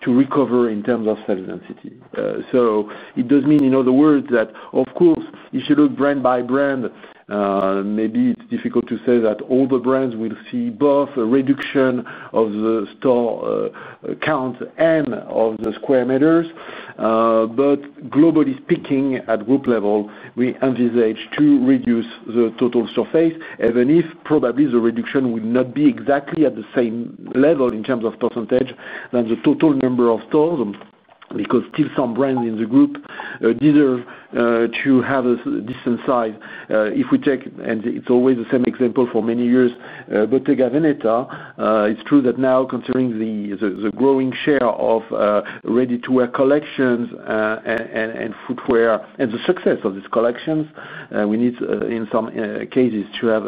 to recover in terms of sales density. It does mean, in other words, that of course, if you look brand by brand, maybe it's difficult to say that all the brands will see both a reduction of the store count and of the square meters. Globally speaking, at group level, we envisage to reduce the total surface, even if probably the reduction will not be exactly at the same level in terms of % than the total number of stores because still some brands in the group deserve to have a decent size. If we take, and it's always the same example for many years, Bottega Veneta, it's true that now considering the growing share of ready-to-wear collections and footwear and the success of these collections, we need, in some cases, to have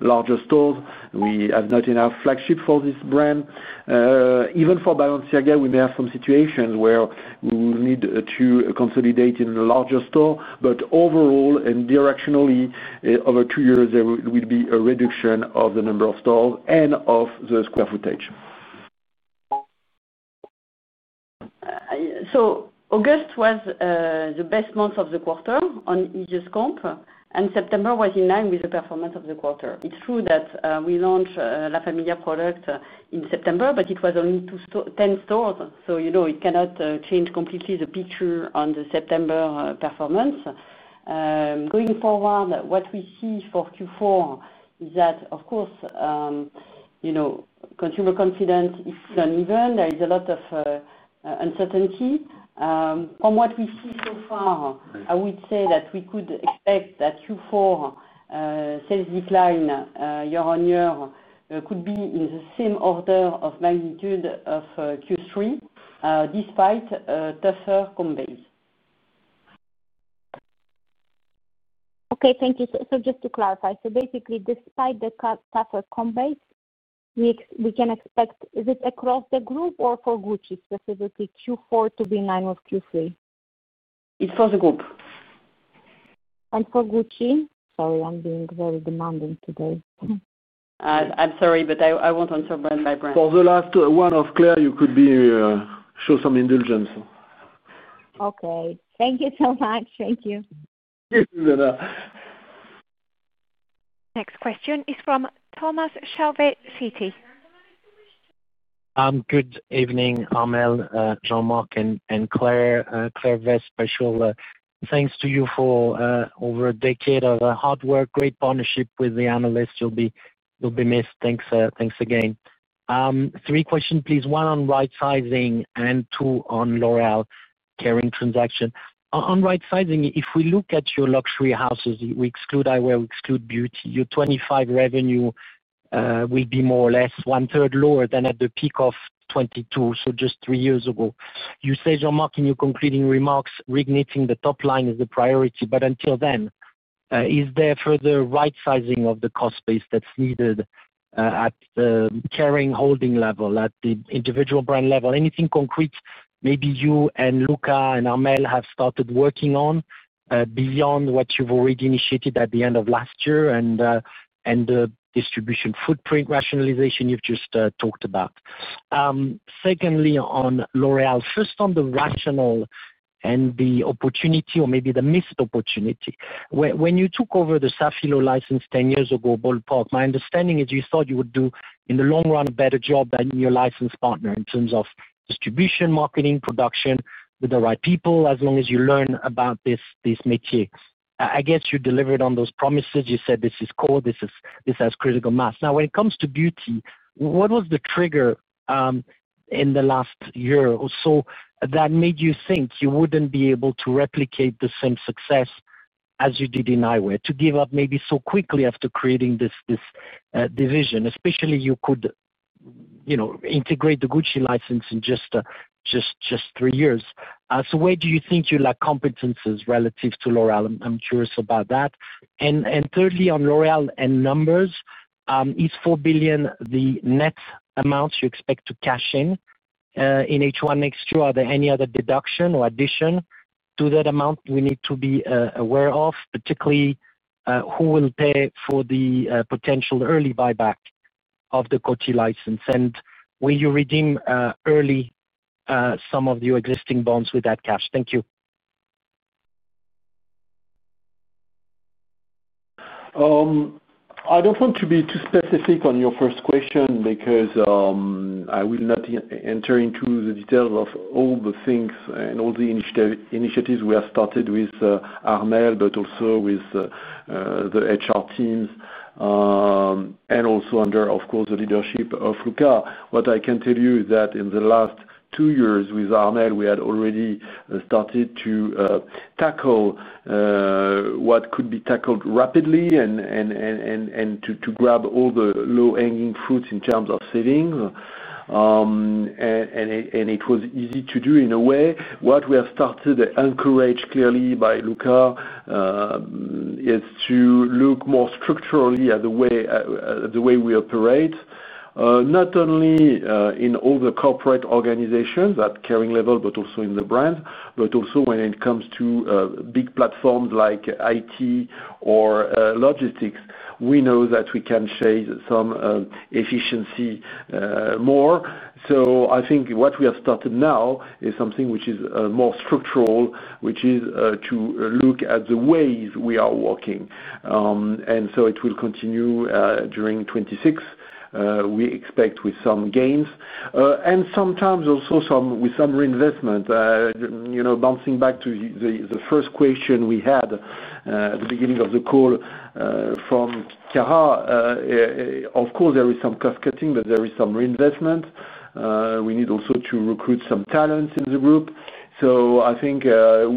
larger stores. We have not enough flagship for this brand. Even for Balenciaga, we may have some situations where we will need to consolidate in a larger store. Overall and directionally, over two years, there will be a reduction of the number of stores and of the square footage. August was the best month of the quarter on each comp, and September was in line with the performance of the quarter. It's true that we launched La Famiglia product in September, but it was only 10 stores. You know it cannot change completely the picture on the September performance. Going forward, what we see for Q4 is that, of course, you know consumer confidence is uneven. There is a lot of uncertainty. From what we see so far, I would say that we could expect that Q4 sales decline year-on-year could be in the same order of magnitude of Q3, despite a tougher comp base. Thank you. Just to clarify, basically, despite the tougher comp base, can we expect, is it across the group or for Gucci specifically, Q4 to be in line with Q3? It's for the group. For Gucci? Sorry, I'm being very demanding today. I'm sorry, but I want to answer brand by brand. For the last one of Claire, you could show some indulgence. Okay, thank you so much. Thank you. Thank you, Zuzanna. Next question is from Thomas Chauvet, Citi. I'm. Good evening, Armelle, Jean-Marc, and Claire. Claire Roblet, sure, thanks to you for over a decade of hard work, great partnership with the analysts. You'll be missed. Thanks again. Three questions, please. One on rightsizing and two on L'Oréal Kering transaction. On rightsizing, if we look at your luxury houses, we exclude Eyewear, we exclude Beauty, your 2025 revenue will be more or less one-third lower than at the peak of 2022, so just three years ago. You say, Jean-Marc, in your concluding remarks, reigniting the top line is the priority. Until then, is there further rightsizing of the cost base that's needed at the Kering holding level, at the individual brand level? Anything concrete, maybe you and Luca and Armelle have started working on beyond what you've already initiated at the end of last year and the distribution footprint rationalization you've just talked about? Secondly, on L'Oréal, first on the rationale and the opportunity or maybe the missed opportunity. When you took over the Safilo license 10 years ago, ballpark, my understanding is you thought you would do, in the long run, a better job than your license partner in terms of distribution, marketing, production with the right people as long as you learn about this métier. I guess you delivered on those promises. You said, "This is core. This has critical mass." Now, when it comes to Beauty, what was the trigger in the last year or so that made you think you wouldn't be able to replicate the same success as you did in Eyewear, to give up maybe so quickly after creating this division? Especially, you could integrate the Gucci license in just three years. Where do you think your lack of competence is relative to L'Oréal? I'm curious about that. Thirdly, on L'Oréal and numbers, is 4 billion the net amount you expect to cash in in H1 next year? Are there any other deductions or additions to that amount we need to be aware of, particularly who will pay for the potential early buyback of the Coty license? Will you redeem early some of your existing bonds with that cash? Thank you. I don't want to be too specific on your first question because I will not enter into the details of all the things and all the initiatives we have started with Armelle, but also with the HR teams, and also under, of course, the leadership of Luca. What I can tell you is that in the last two years with Armelle, we had already started to tackle what could be tackled rapidly and to grab all the low-hanging fruits in terms of savings. It was easy to do in a way. What we have started to encourage clearly by Luca is to look more structurally at the way we operate, not only in all the corporate organizations at Kering level, but also in the brands, but also when it comes to big platforms like IT or logistics. We know that we can chase some efficiency more. I think what we have started now is something which is more structural, which is to look at the ways we are working. It will continue during 2026. We expect with some gains, and sometimes also with some reinvestment. You know, bouncing back to the first question we had at the beginning of the call from Cara, of course, there is some cost-cutting, but there is some reinvestment. We need also to recruit some talents in the group. I think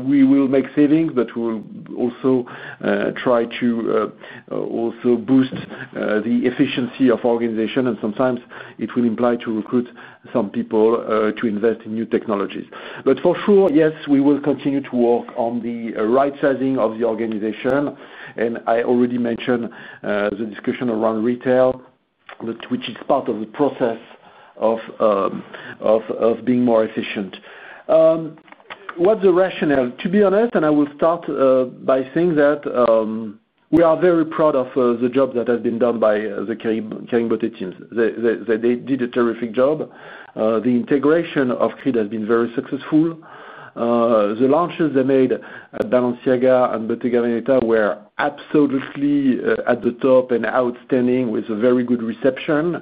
we will make savings, but we will also try to also boost the efficiency of the organization. Sometimes it will imply to recruit some people to invest in new technologies. For sure, yes, we will continue to work on the rightsizing of the organization. I already mentioned the discussion around retail, which is part of the process of being more efficient. What's the rationale? To be honest, I will start by saying that we are very proud of the job that has been done by the Kering Beauté team. They did a terrific job. The integration of Creed has been very successful. The launches they made at Balenciaga and Bottega Veneta were absolutely at the top and outstanding with a very good reception.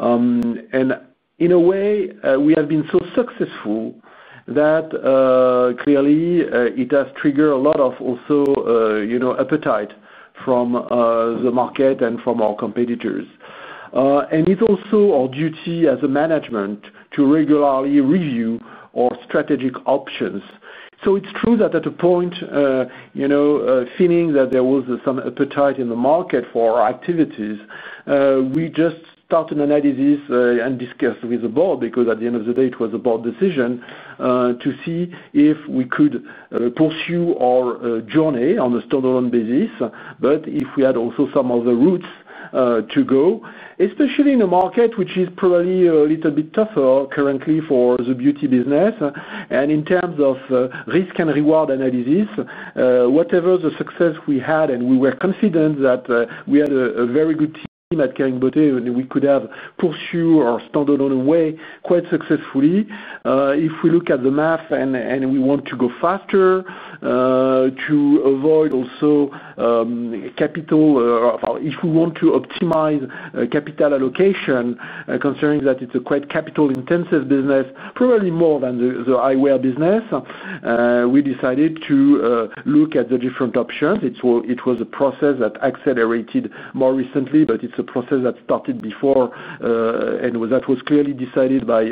In a way, we have been so successful that clearly it has triggered a lot of also appetite from the market and from our competitors. It is also our duty as a management to regularly review our strategic options. It's true that at a point, you know, feeling that there was some appetite in the market for our activities, we just started an analysis and discussed with the board because at the end of the day, it was a board decision to see if we could pursue our journey on a standalone basis, but if we had also some other routes to go, especially in a market which is probably a little bit tougher currently for the beauty business. In terms of risk and reward analysis, whatever the success we had, and we were confident that we had a very good team at Kering Beauté, and we could have pursued our standalone way quite successfully. If we look at the math and we want to go faster to avoid also capital, if we want to optimize capital allocation, considering that it's a quite capital-intensive business, probably more than the eyewear business, we decided to look at the different options. It was a process that accelerated more recently, but it's a process that started before, and that was clearly decided by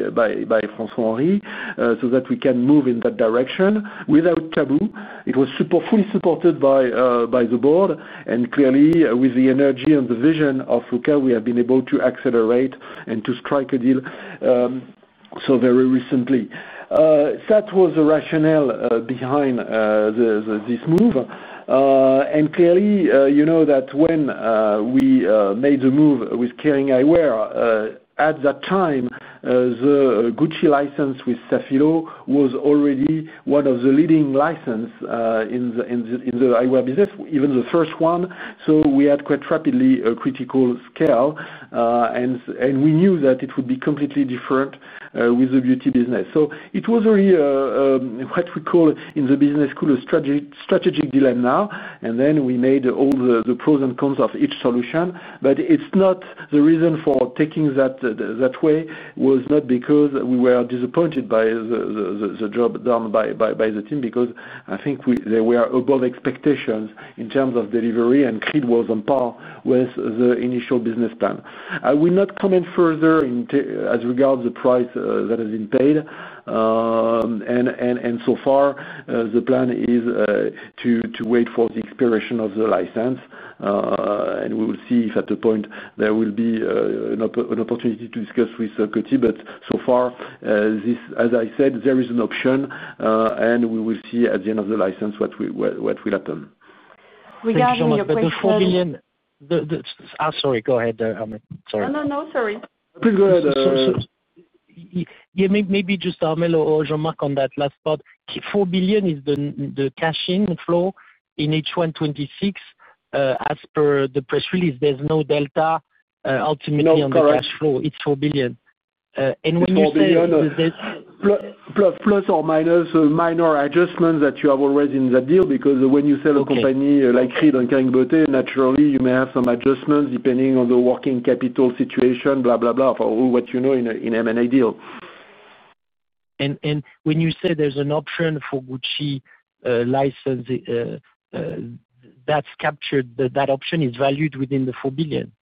François-Henri so that we can move in that direction without taboo. It was fully supported by the board. Clearly, with the energy and the vision of Luca, we have been able to accelerate and to strike a deal so very recently. That was the rationale behind this move. Clearly, you know that when we made the move with Kering Eyewear, at that time, the Gucci license with Safilo was already one of the leading licenses in the eyewear business, even the first one. We had quite rapidly a critical scale. We knew that it would be completely different with the beauty business. It was really what we call in the business school a strategic dilemma now. We made all the pros and cons of each solution. The reason for taking that way was not because we were disappointed by the job done by the team, because I think they were above expectations in terms of delivery, and Creed was on par with the initial business plan. I will not comment further as regards the price that has been paid. So far, the plan is to wait for the expiration of the license. We will see if at the point there will be an opportunity to discuss with Coty. So far, as I said, there is an option, and we will see at the end of the license what will happen. Regarding your question about. The 4 billion. I'm sorry. Go ahead, Armelle. Sorry. No, sorry. Please go ahead. Yeah. Maybe just Armelle or Jean-Marc on that last part. 4 billion is the cash-in flow in H1 2026. As per the press release, there's no delta ultimately on the cash flow. It's 4 billion. When you say. 4 billion, plus or minus minor adjustments that you have already in the deal, because when you sell a company like Creed and Kering Beauté, naturally, you may have some adjustments depending on the working capital situation or what you know in an M&A deal. When you say there's an option for the Gucci license, that's captured, that option is valued within the 4 billion?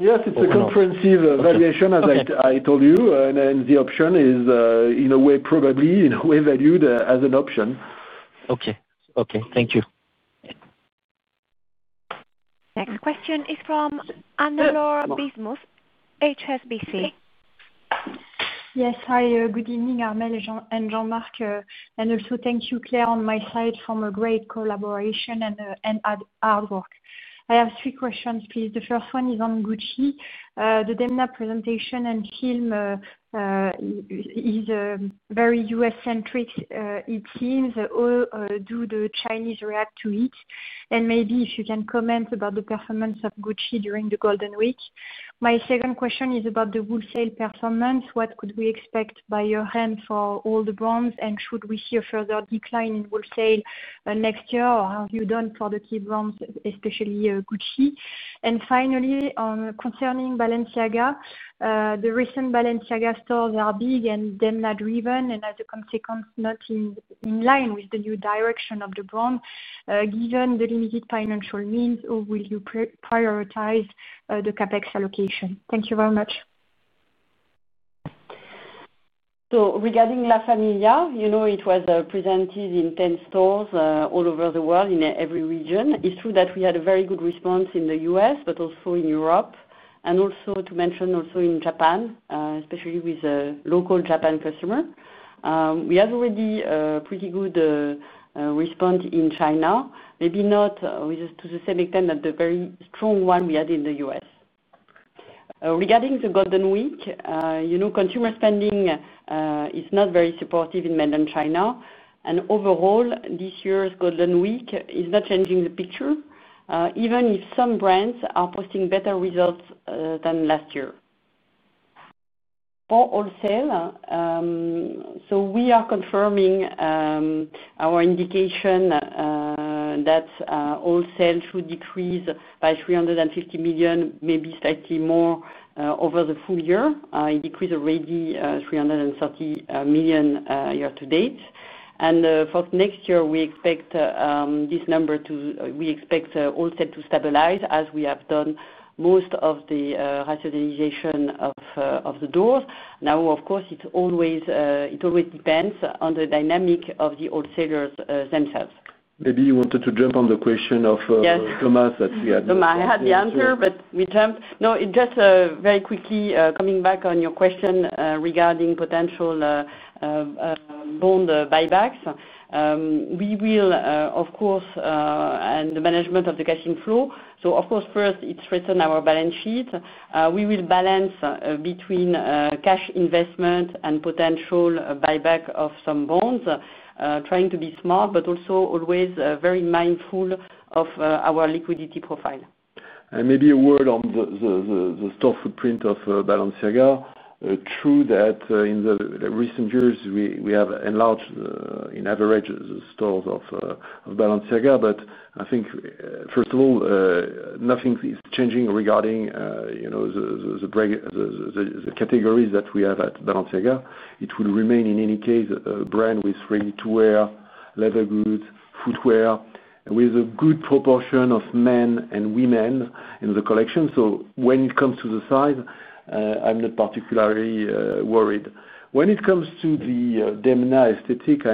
Yes. It's a comprehensive valuation, as I told you. The option is, in a way, probably in a way valued as an option. Okay. Thank you. Next question is from Anne-Laure Bismuth, HSBC. Yes. Hi. Good evening, Armelle and Jean-Marc. Also, thank you, Claire, on my side, for a great collaboration and hard work. I have three questions, please. The first one is on Gucci. The Demna presentation and film is very U.S.-centric, it seems. Do the Chinese react to it? Maybe if you can comment about the performance of Gucci during the Golden Week. My second question is about the wholesale performance. What could we expect by year-end for all the brands, and should we see a further decline in wholesale next year, or have you done for the key brands, especially Gucci? Finally, concerning Balenciaga, the recent Balenciaga stores are big and Demna-driven, and as a consequence, not in line with the new direction of the brand, given the limited financial means, or will you prioritize the CapEx allocation? Thank you very much. Regarding La Famiglia, you know it was presented in 10 stores all over the world in every region. It's true that we had a very good response in the U.S., but also in Europe, and also to mention in Japan, especially with local Japan press. We have already a pretty good response in China, maybe not with us to the same extent as the very strong one we had in the U.S. Regarding the Golden Week, you know, consumer spending is not very supportive in mainland China. Overall, this year's Golden Week is not changing the picture, even if some brands are posting better results than last year. For wholesale, we are confirming our indication that wholesale should decrease by 350 million, maybe slightly more, over the full year. It decreased already 330 million year-to-date. For next year, we expect this number to, we expect wholesale to stabilize as we have done most of the rationalization of the doors. Of course, it always depends on the dynamic of the wholesalers themselves. Maybe you wanted to jump on the question of, Yes. Thomas that we had. I had the answer, but we jumped. Very quickly, coming back on your question regarding potential bond buybacks, we will, of course, and the management of the cash inflow. Of course, first, it's written on our balance sheet. We will balance between cash investment and potential buyback of some bonds, trying to be smart but also always very mindful of our liquidity profile. Maybe a word on the store footprint of Balenciaga. In recent years, we have enlarged, on average, the stores of Balenciaga. First of all, nothing is changing regarding the categories that we have at Balenciaga. It will remain, in any case, a brand with ready-to-wear, leather goods, footwear, with a good proportion of men and women in the collection. When it comes to the size, I'm not particularly worried. When it comes to the denim aesthetic,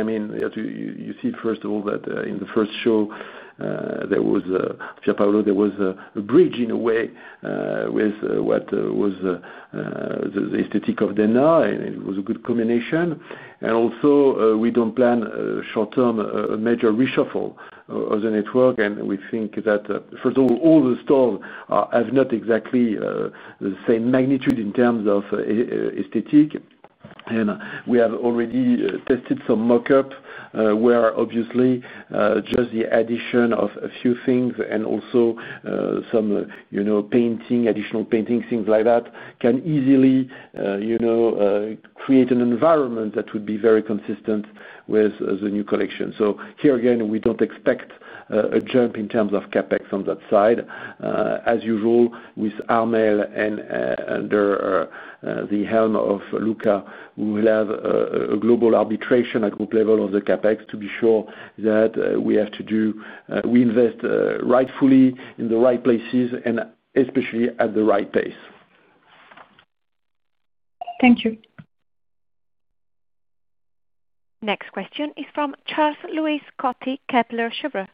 you see, first of all, that in the first show, there was Pierpaolo, there was a bridge, in a way, with what was the aesthetic of denim. It was a good combination. We don't plan a short-term major reshuffle of the network. All the stores have not exactly the same magnitude in terms of aesthetic. We have already tested some mockups where, obviously, just the addition of a few things and also some painting, additional painting, things like that can easily create an environment that would be very consistent with the new collection. Here again, we don't expect a jump in terms of CapEx on that side. As usual, with Armelle and under the helm of Luca, we will have a global arbitration at group level of the CapEx to be sure that we have to do, we invest rightfully in the right places and especially at the right pace. Thank you. Next question is from Charles-Louis Scotti, Kepler Cheuvreux.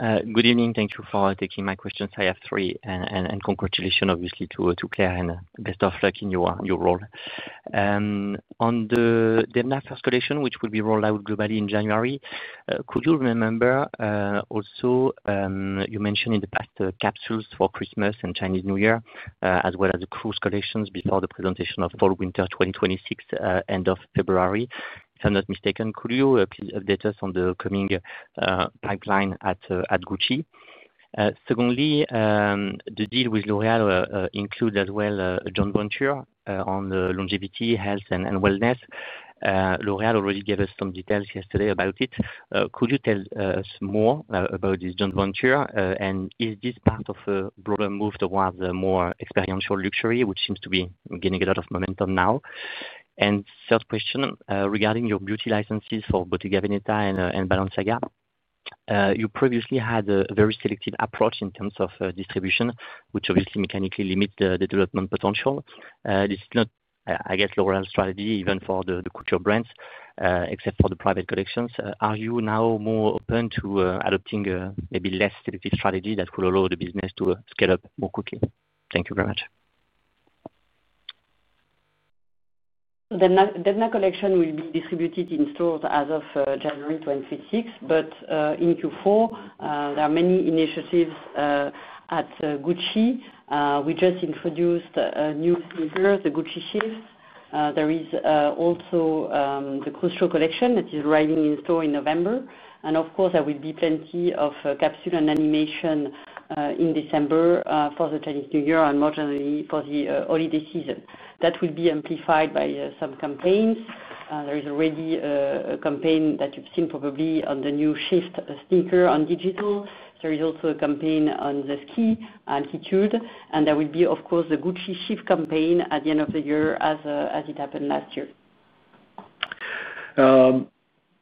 Good evening. Thank you for taking my questions. I have three. Congratulations, obviously, to Claire and best of luck in your role. On the denim first collection, which will be rolled out globally in January, could you remember, also, you mentioned in the past, capsules for Christmas and Chinese New Year, as well as the cruise collections before the presentation of fall-winter 2026, end of February. If I'm not mistaken, could you please update us on the coming pipeline at Gucci? Secondly, the deal with L'Oréal includes as well a joint venture on the longevity, health, and wellness. L'Oréal already gave us some details yesterday about it. Could you tell us more about this joint venture? Is this part of a broader move towards a more experiential luxury, which seems to be gaining a lot of momentum now? Third question, regarding your beauty licenses for Bottega Veneta and Balenciaga. You previously had a very selective approach in terms of distribution, which obviously mechanically limits the development potential. This is not, I guess, L'Oréal's strategy, even for the couture brands, except for the private collections. Are you now more open to adopting a maybe less selective strategy that will allow the business to scale up more quickly? Thank you very much. The denim collection will be distributed in stores as of January, 2026. In Q4, there are many initiatives at Gucci. We just introduced a new sneaker, the Gucci Shift. There is also the cruise show collection that is arriving in store in November. Of course, there will be plenty of capsule and animation in December for the Chinese New Year and more generally for the holiday season. That will be amplified by some campaigns. There is already a campaign that you've seen probably on the new Shift sneaker on digital. There is also a campaign on the ski altitude. There will be, of course, the Gucci Shift campaign at the end of the year as it happened last year.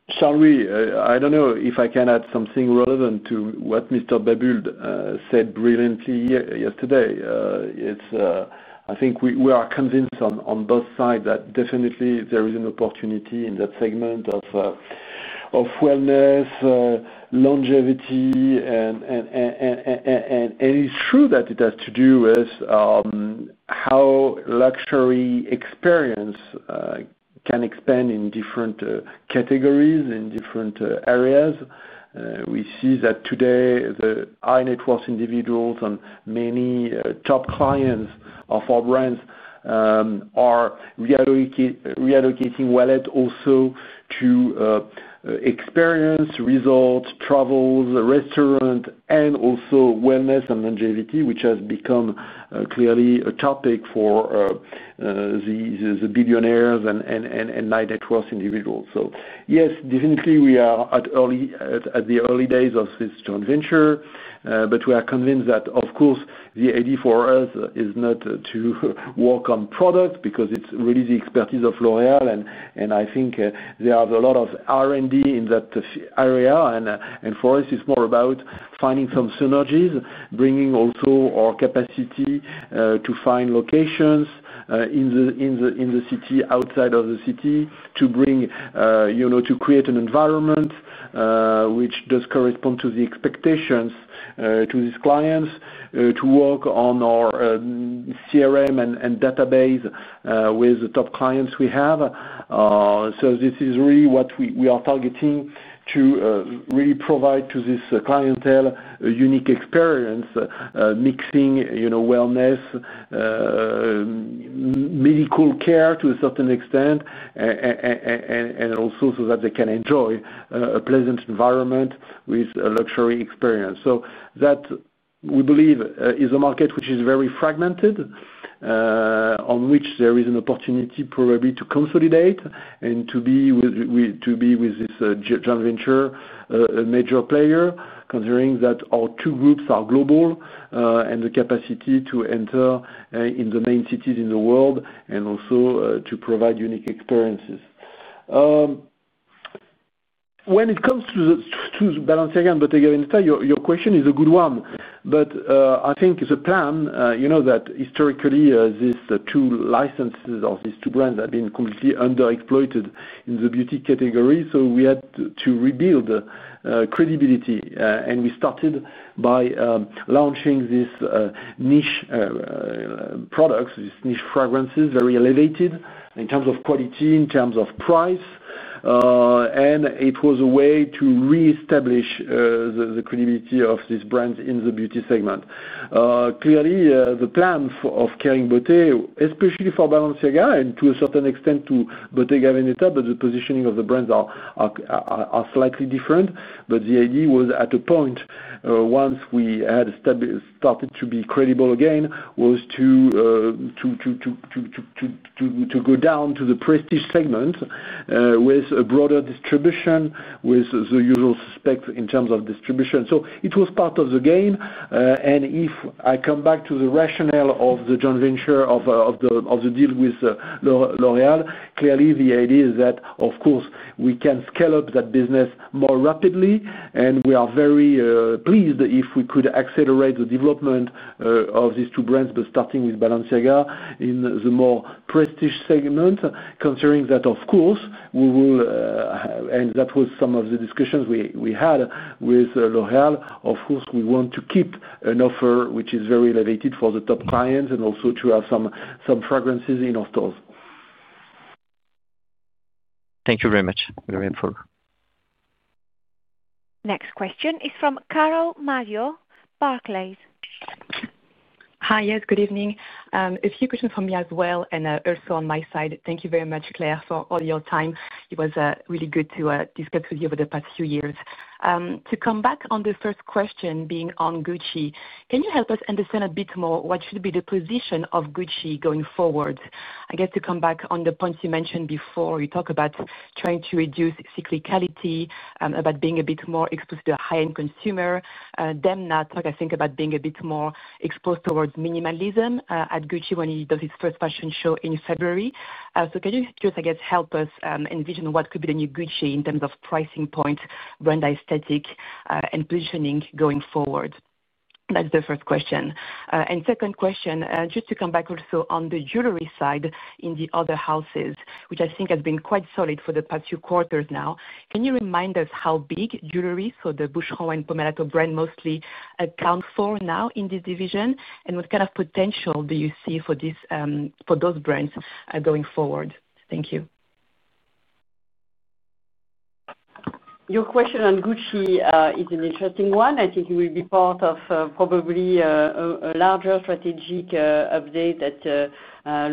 I don't know if I can add something relevant to what Mr. Babuild said brilliantly yesterday. I think we are convinced on both sides that definitely there is an opportunity in that segment of wellness, longevity. It's true that it has to do with how luxury experience can expand in different categories, in different areas. We see that today, the high-net-worth individuals and many top clients of our brands are reallocating wallet also to experience, resorts, travels, restaurants, and also wellness and longevity, which has become clearly a topic for the billionaires and high-net-worth individuals. Yes, definitely, we are at the early days of this joint venture. We are convinced that, of course, the idea for us is not to work on products because it's really the expertise of L'Oréal. I think there are a lot of R&D in that area. For us, it's more about finding some synergies, bringing also our capacity to find locations in the city, outside of the city, to create an environment which does correspond to the expectations of these clients, to work on our CRM and database with the top clients we have. This is really what we are targeting, to really provide to this clientele a unique experience, mixing wellness, medical care to a certain extent, and also so that they can enjoy a pleasant environment with a luxury experience. We believe this is a market which is very fragmented, on which there is an opportunity probably to consolidate and to be with this joint venture a major player, considering that our two groups are global and the capacity to enter in the main cities in the world and also to provide unique experiences. When it comes to Balenciaga and Bottega Veneta, your question is a good one. I think the plan, you know, that historically, these two licenses of these two brands have been completely under-exploited in the beauty category. We had to rebuild credibility, and we started by launching these niche products, these niche fragrances, very elevated in terms of quality, in terms of price. It was a way to reestablish the credibility of these brands in the beauty segment. Clearly, the plan for Kering Beauté, especially for Balenciaga and to a certain extent to Bottega Veneta, but the positioning of the brands are slightly different. The idea was at a point, once we had started to be credible again, to go down to the prestige segment with a broader distribution, with the usual suspects in terms of distribution. It was part of the game. If I come back to the rationale of the joint venture, of the deal with L'Oréal, clearly, the idea is that, of course, we can scale up that business more rapidly. We are very pleased if we could accelerate the development of these two brands, but starting with Balenciaga in the more prestige segment, considering that, of course, we will, and that was some of the discussions we had with L'Oréal. Of course, we want to keep an offer which is very elevated for the top clients and also to have some fragrances in our stores. Thank you very much. Very helpful. Next question is from Carole Madjo at Barclays. Hi. Yes. Good evening. A few questions from me as well, and also on my side. Thank you very much, Claire, for all your time. It was really good to discuss with you over the past few years. To come back on the first question being on Gucci, can you help us understand a bit more what should be the position of Gucci going forward? I guess to come back on the point you mentioned before, you talk about trying to reduce cyclicality, about being a bit more exposed to the high-end consumer. Then talk, I think, about being a bit more exposed towards minimalism at Gucci when he does his first fashion show in February. Can you just, I guess, help us envision what could be the new Gucci in terms of pricing point, brand aesthetic, and positioning going forward? That's the first question. Second question, just to come back also on the jewelry side in the other houses, which I think has been quite solid for the past few quarters now, can you remind us how big jewelry, so the Boucheron and Pomellato brand mostly, count for now in this division? What kind of potential do you see for these, for those brands, going forward? Thank you. Your question on Gucci is an interesting one. I think it will be part of probably a larger strategic update that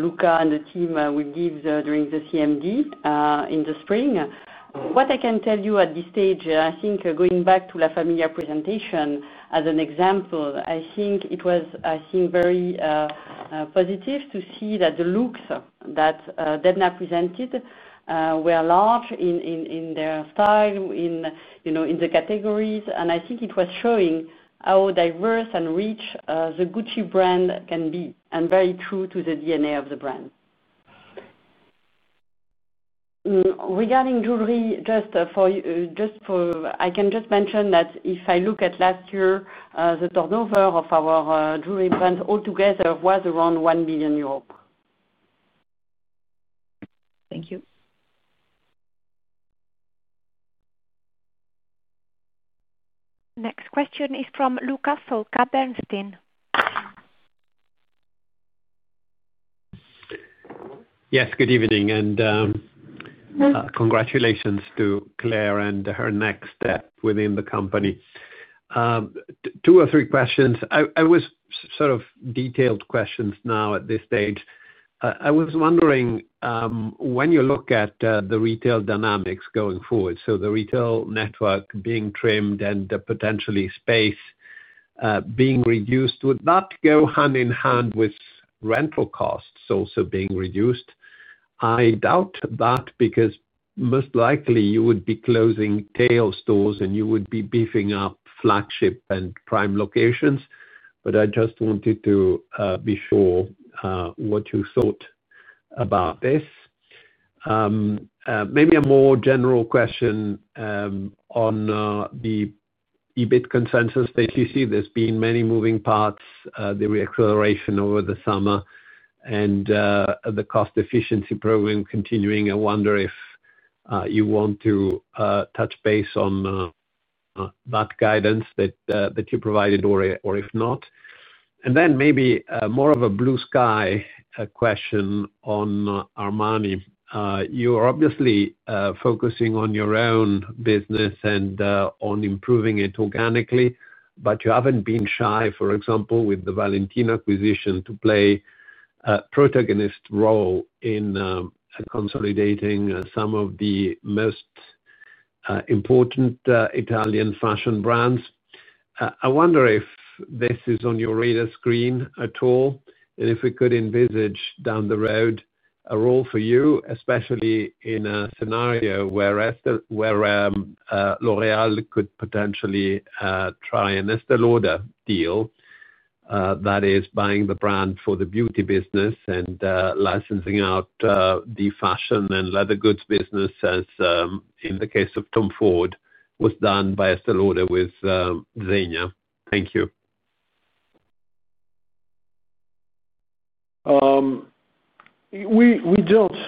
Luca and the team will give during the CMD in the spring. What I can tell you at this stage, going back to La Famiglia presentation as an example, it was very positive to see that the looks that Demna presented were large in their style, in the categories. I think it was showing how diverse and rich the Gucci brand can be and very true to the DNA of the brand. Regarding jewelry, I can just mention that if I look at last year, the turnover of our jewelry brands altogether was around 1 billion euros. Thank you. Next question is from Luca Solca, Bernstein. Yes. Good evening. Congratulations to Claire and her next step within the company. Two or three questions. I was sort of detailed questions now at this stage. I was wondering, when you look at the retail dynamics going forward, so the retail network being trimmed and potentially space being reduced, would that go hand in hand with rental costs also being reduced? I doubt that because most likely you would be closing tail stores and you would be beefing up flagship and prime locations. I just wanted to be sure what you thought about this. Maybe a more general question on the EBIT consensus that you see. There's been many moving parts, the reacceleration over the summer and the cost efficiency program continuing. I wonder if you want to touch base on that guidance that you provided or if not. Maybe more of a blue sky question on Armani. You're obviously focusing on your own business and on improving it organically, but you haven't been shy, for example, with the Valentino acquisition to play a protagonist role in consolidating some of the most important Italian fashion brands. I wonder if this is on your radar screen at all and if we could envisage down the road a role for you, especially in a scenario where L'Oréal could potentially try an Estée Lauder deal, that is buying the brand for the beauty business and licensing out the fashion and leather goods business as in the case of Tom Ford, was done by Estée Lauder with Zegna. Thank you. We don't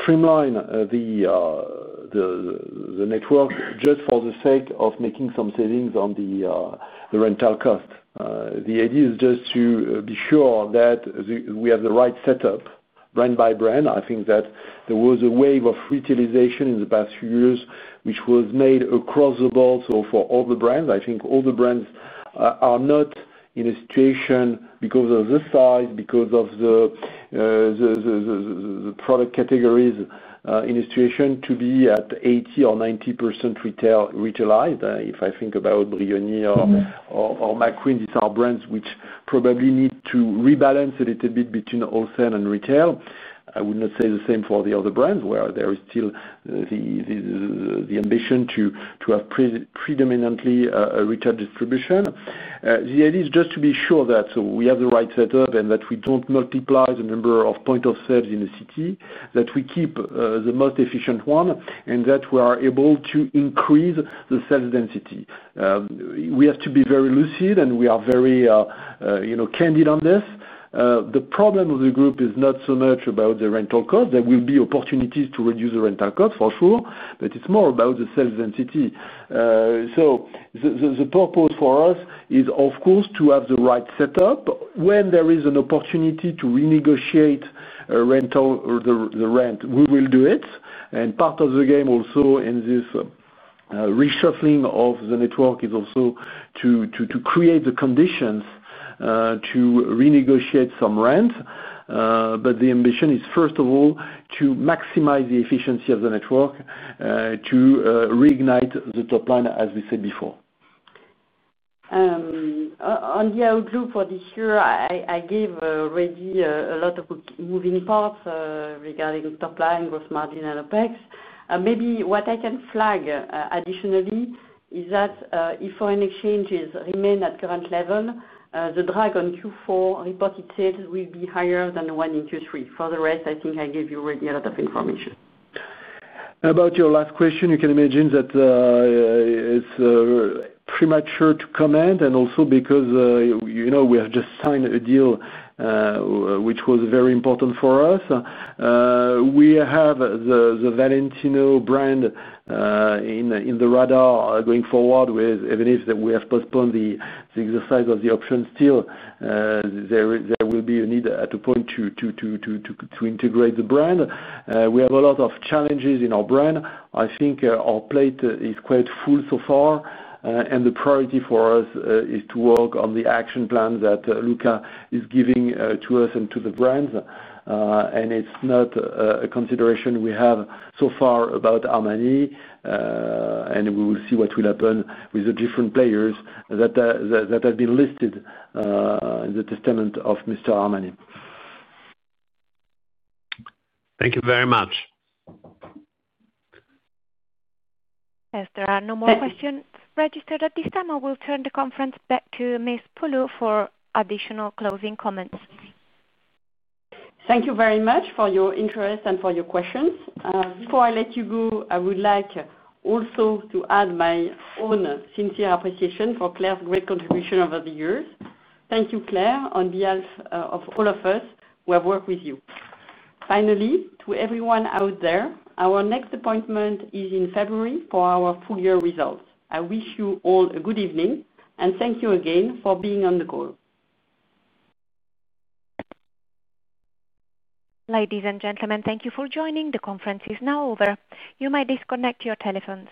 streamline the network just for the sake of making some savings on the rental cost. The idea is just to be sure that we have the right setup brand by brand. I think that there was a wave of utilization in the past few years, which was made across the board. For all the brands, I think all the brands are not in a situation because of the size, because of the product categories, in a situation to be at 80% or 90% retailized. If I think about Brioni or McQueen, these are brands which probably need to rebalance a little bit between wholesale and retail. I would not say the same for the other brands where there is still the ambition to have predominantly a retail distribution. The idea is just to be sure that we have the right setup and that we don't multiply the number of points of sale in a city, that we keep the most efficient one and that we are able to increase the sales density. We have to be very lucid and we are very candid on this. The problem of the group is not so much about the rental cost. There will be opportunities to reduce the rental cost for sure, but it's more about the sales density. The purpose for us is, of course, to have the right setup. When there is an opportunity to renegotiate a rental or the rent, we will do it. Part of the game also in this reshuffling of the network is also to create the conditions to renegotiate some rent. The ambition is, first of all, to maximize the efficiency of the network, to reignite the top line, as we said before. On the outlook for this year, I gave already a lot of moving parts regarding top line, gross margin, and OpEx. Maybe what I can flag additionally is that, if foreign exchanges remain at current level, the drag on Q4 reported sales will be higher than the one in Q3. For the rest, I think I gave you already a lot of information. About your last question, you can imagine that it's premature to comment. Also, you know, we have just signed a deal, which was very important for us. We have the Valentino brand in the radar going forward, even if we have postponed the exercise of the options. Still, there will be a need at a point to integrate the brand. We have a lot of challenges in our brand. I think our plate is quite full so far, and the priority for us is to work on the action plan that Luca is giving to us and to the brands. It's not a consideration we have so far about Armani. We will see what will happen with the different players that have been listed in the testament of Mr. Armani. Thank you very much. Yes. There are no more questions registered at this time. I will turn the conference back to Miss Poulou for additional closing comments. Thank you very much for your interest and for your questions. Before I let you go, I would like also to add my own sincere appreciation for Claire's great contribution over the years. Thank you, Claire, on behalf of all of us who have worked with you. Finally, to everyone out there, our next appointment is in February for our full-year results. I wish you all a good evening. Thank you again for being on the call. Ladies and gentlemen, thank you for joining. The conference is now over. You may disconnect your telephone.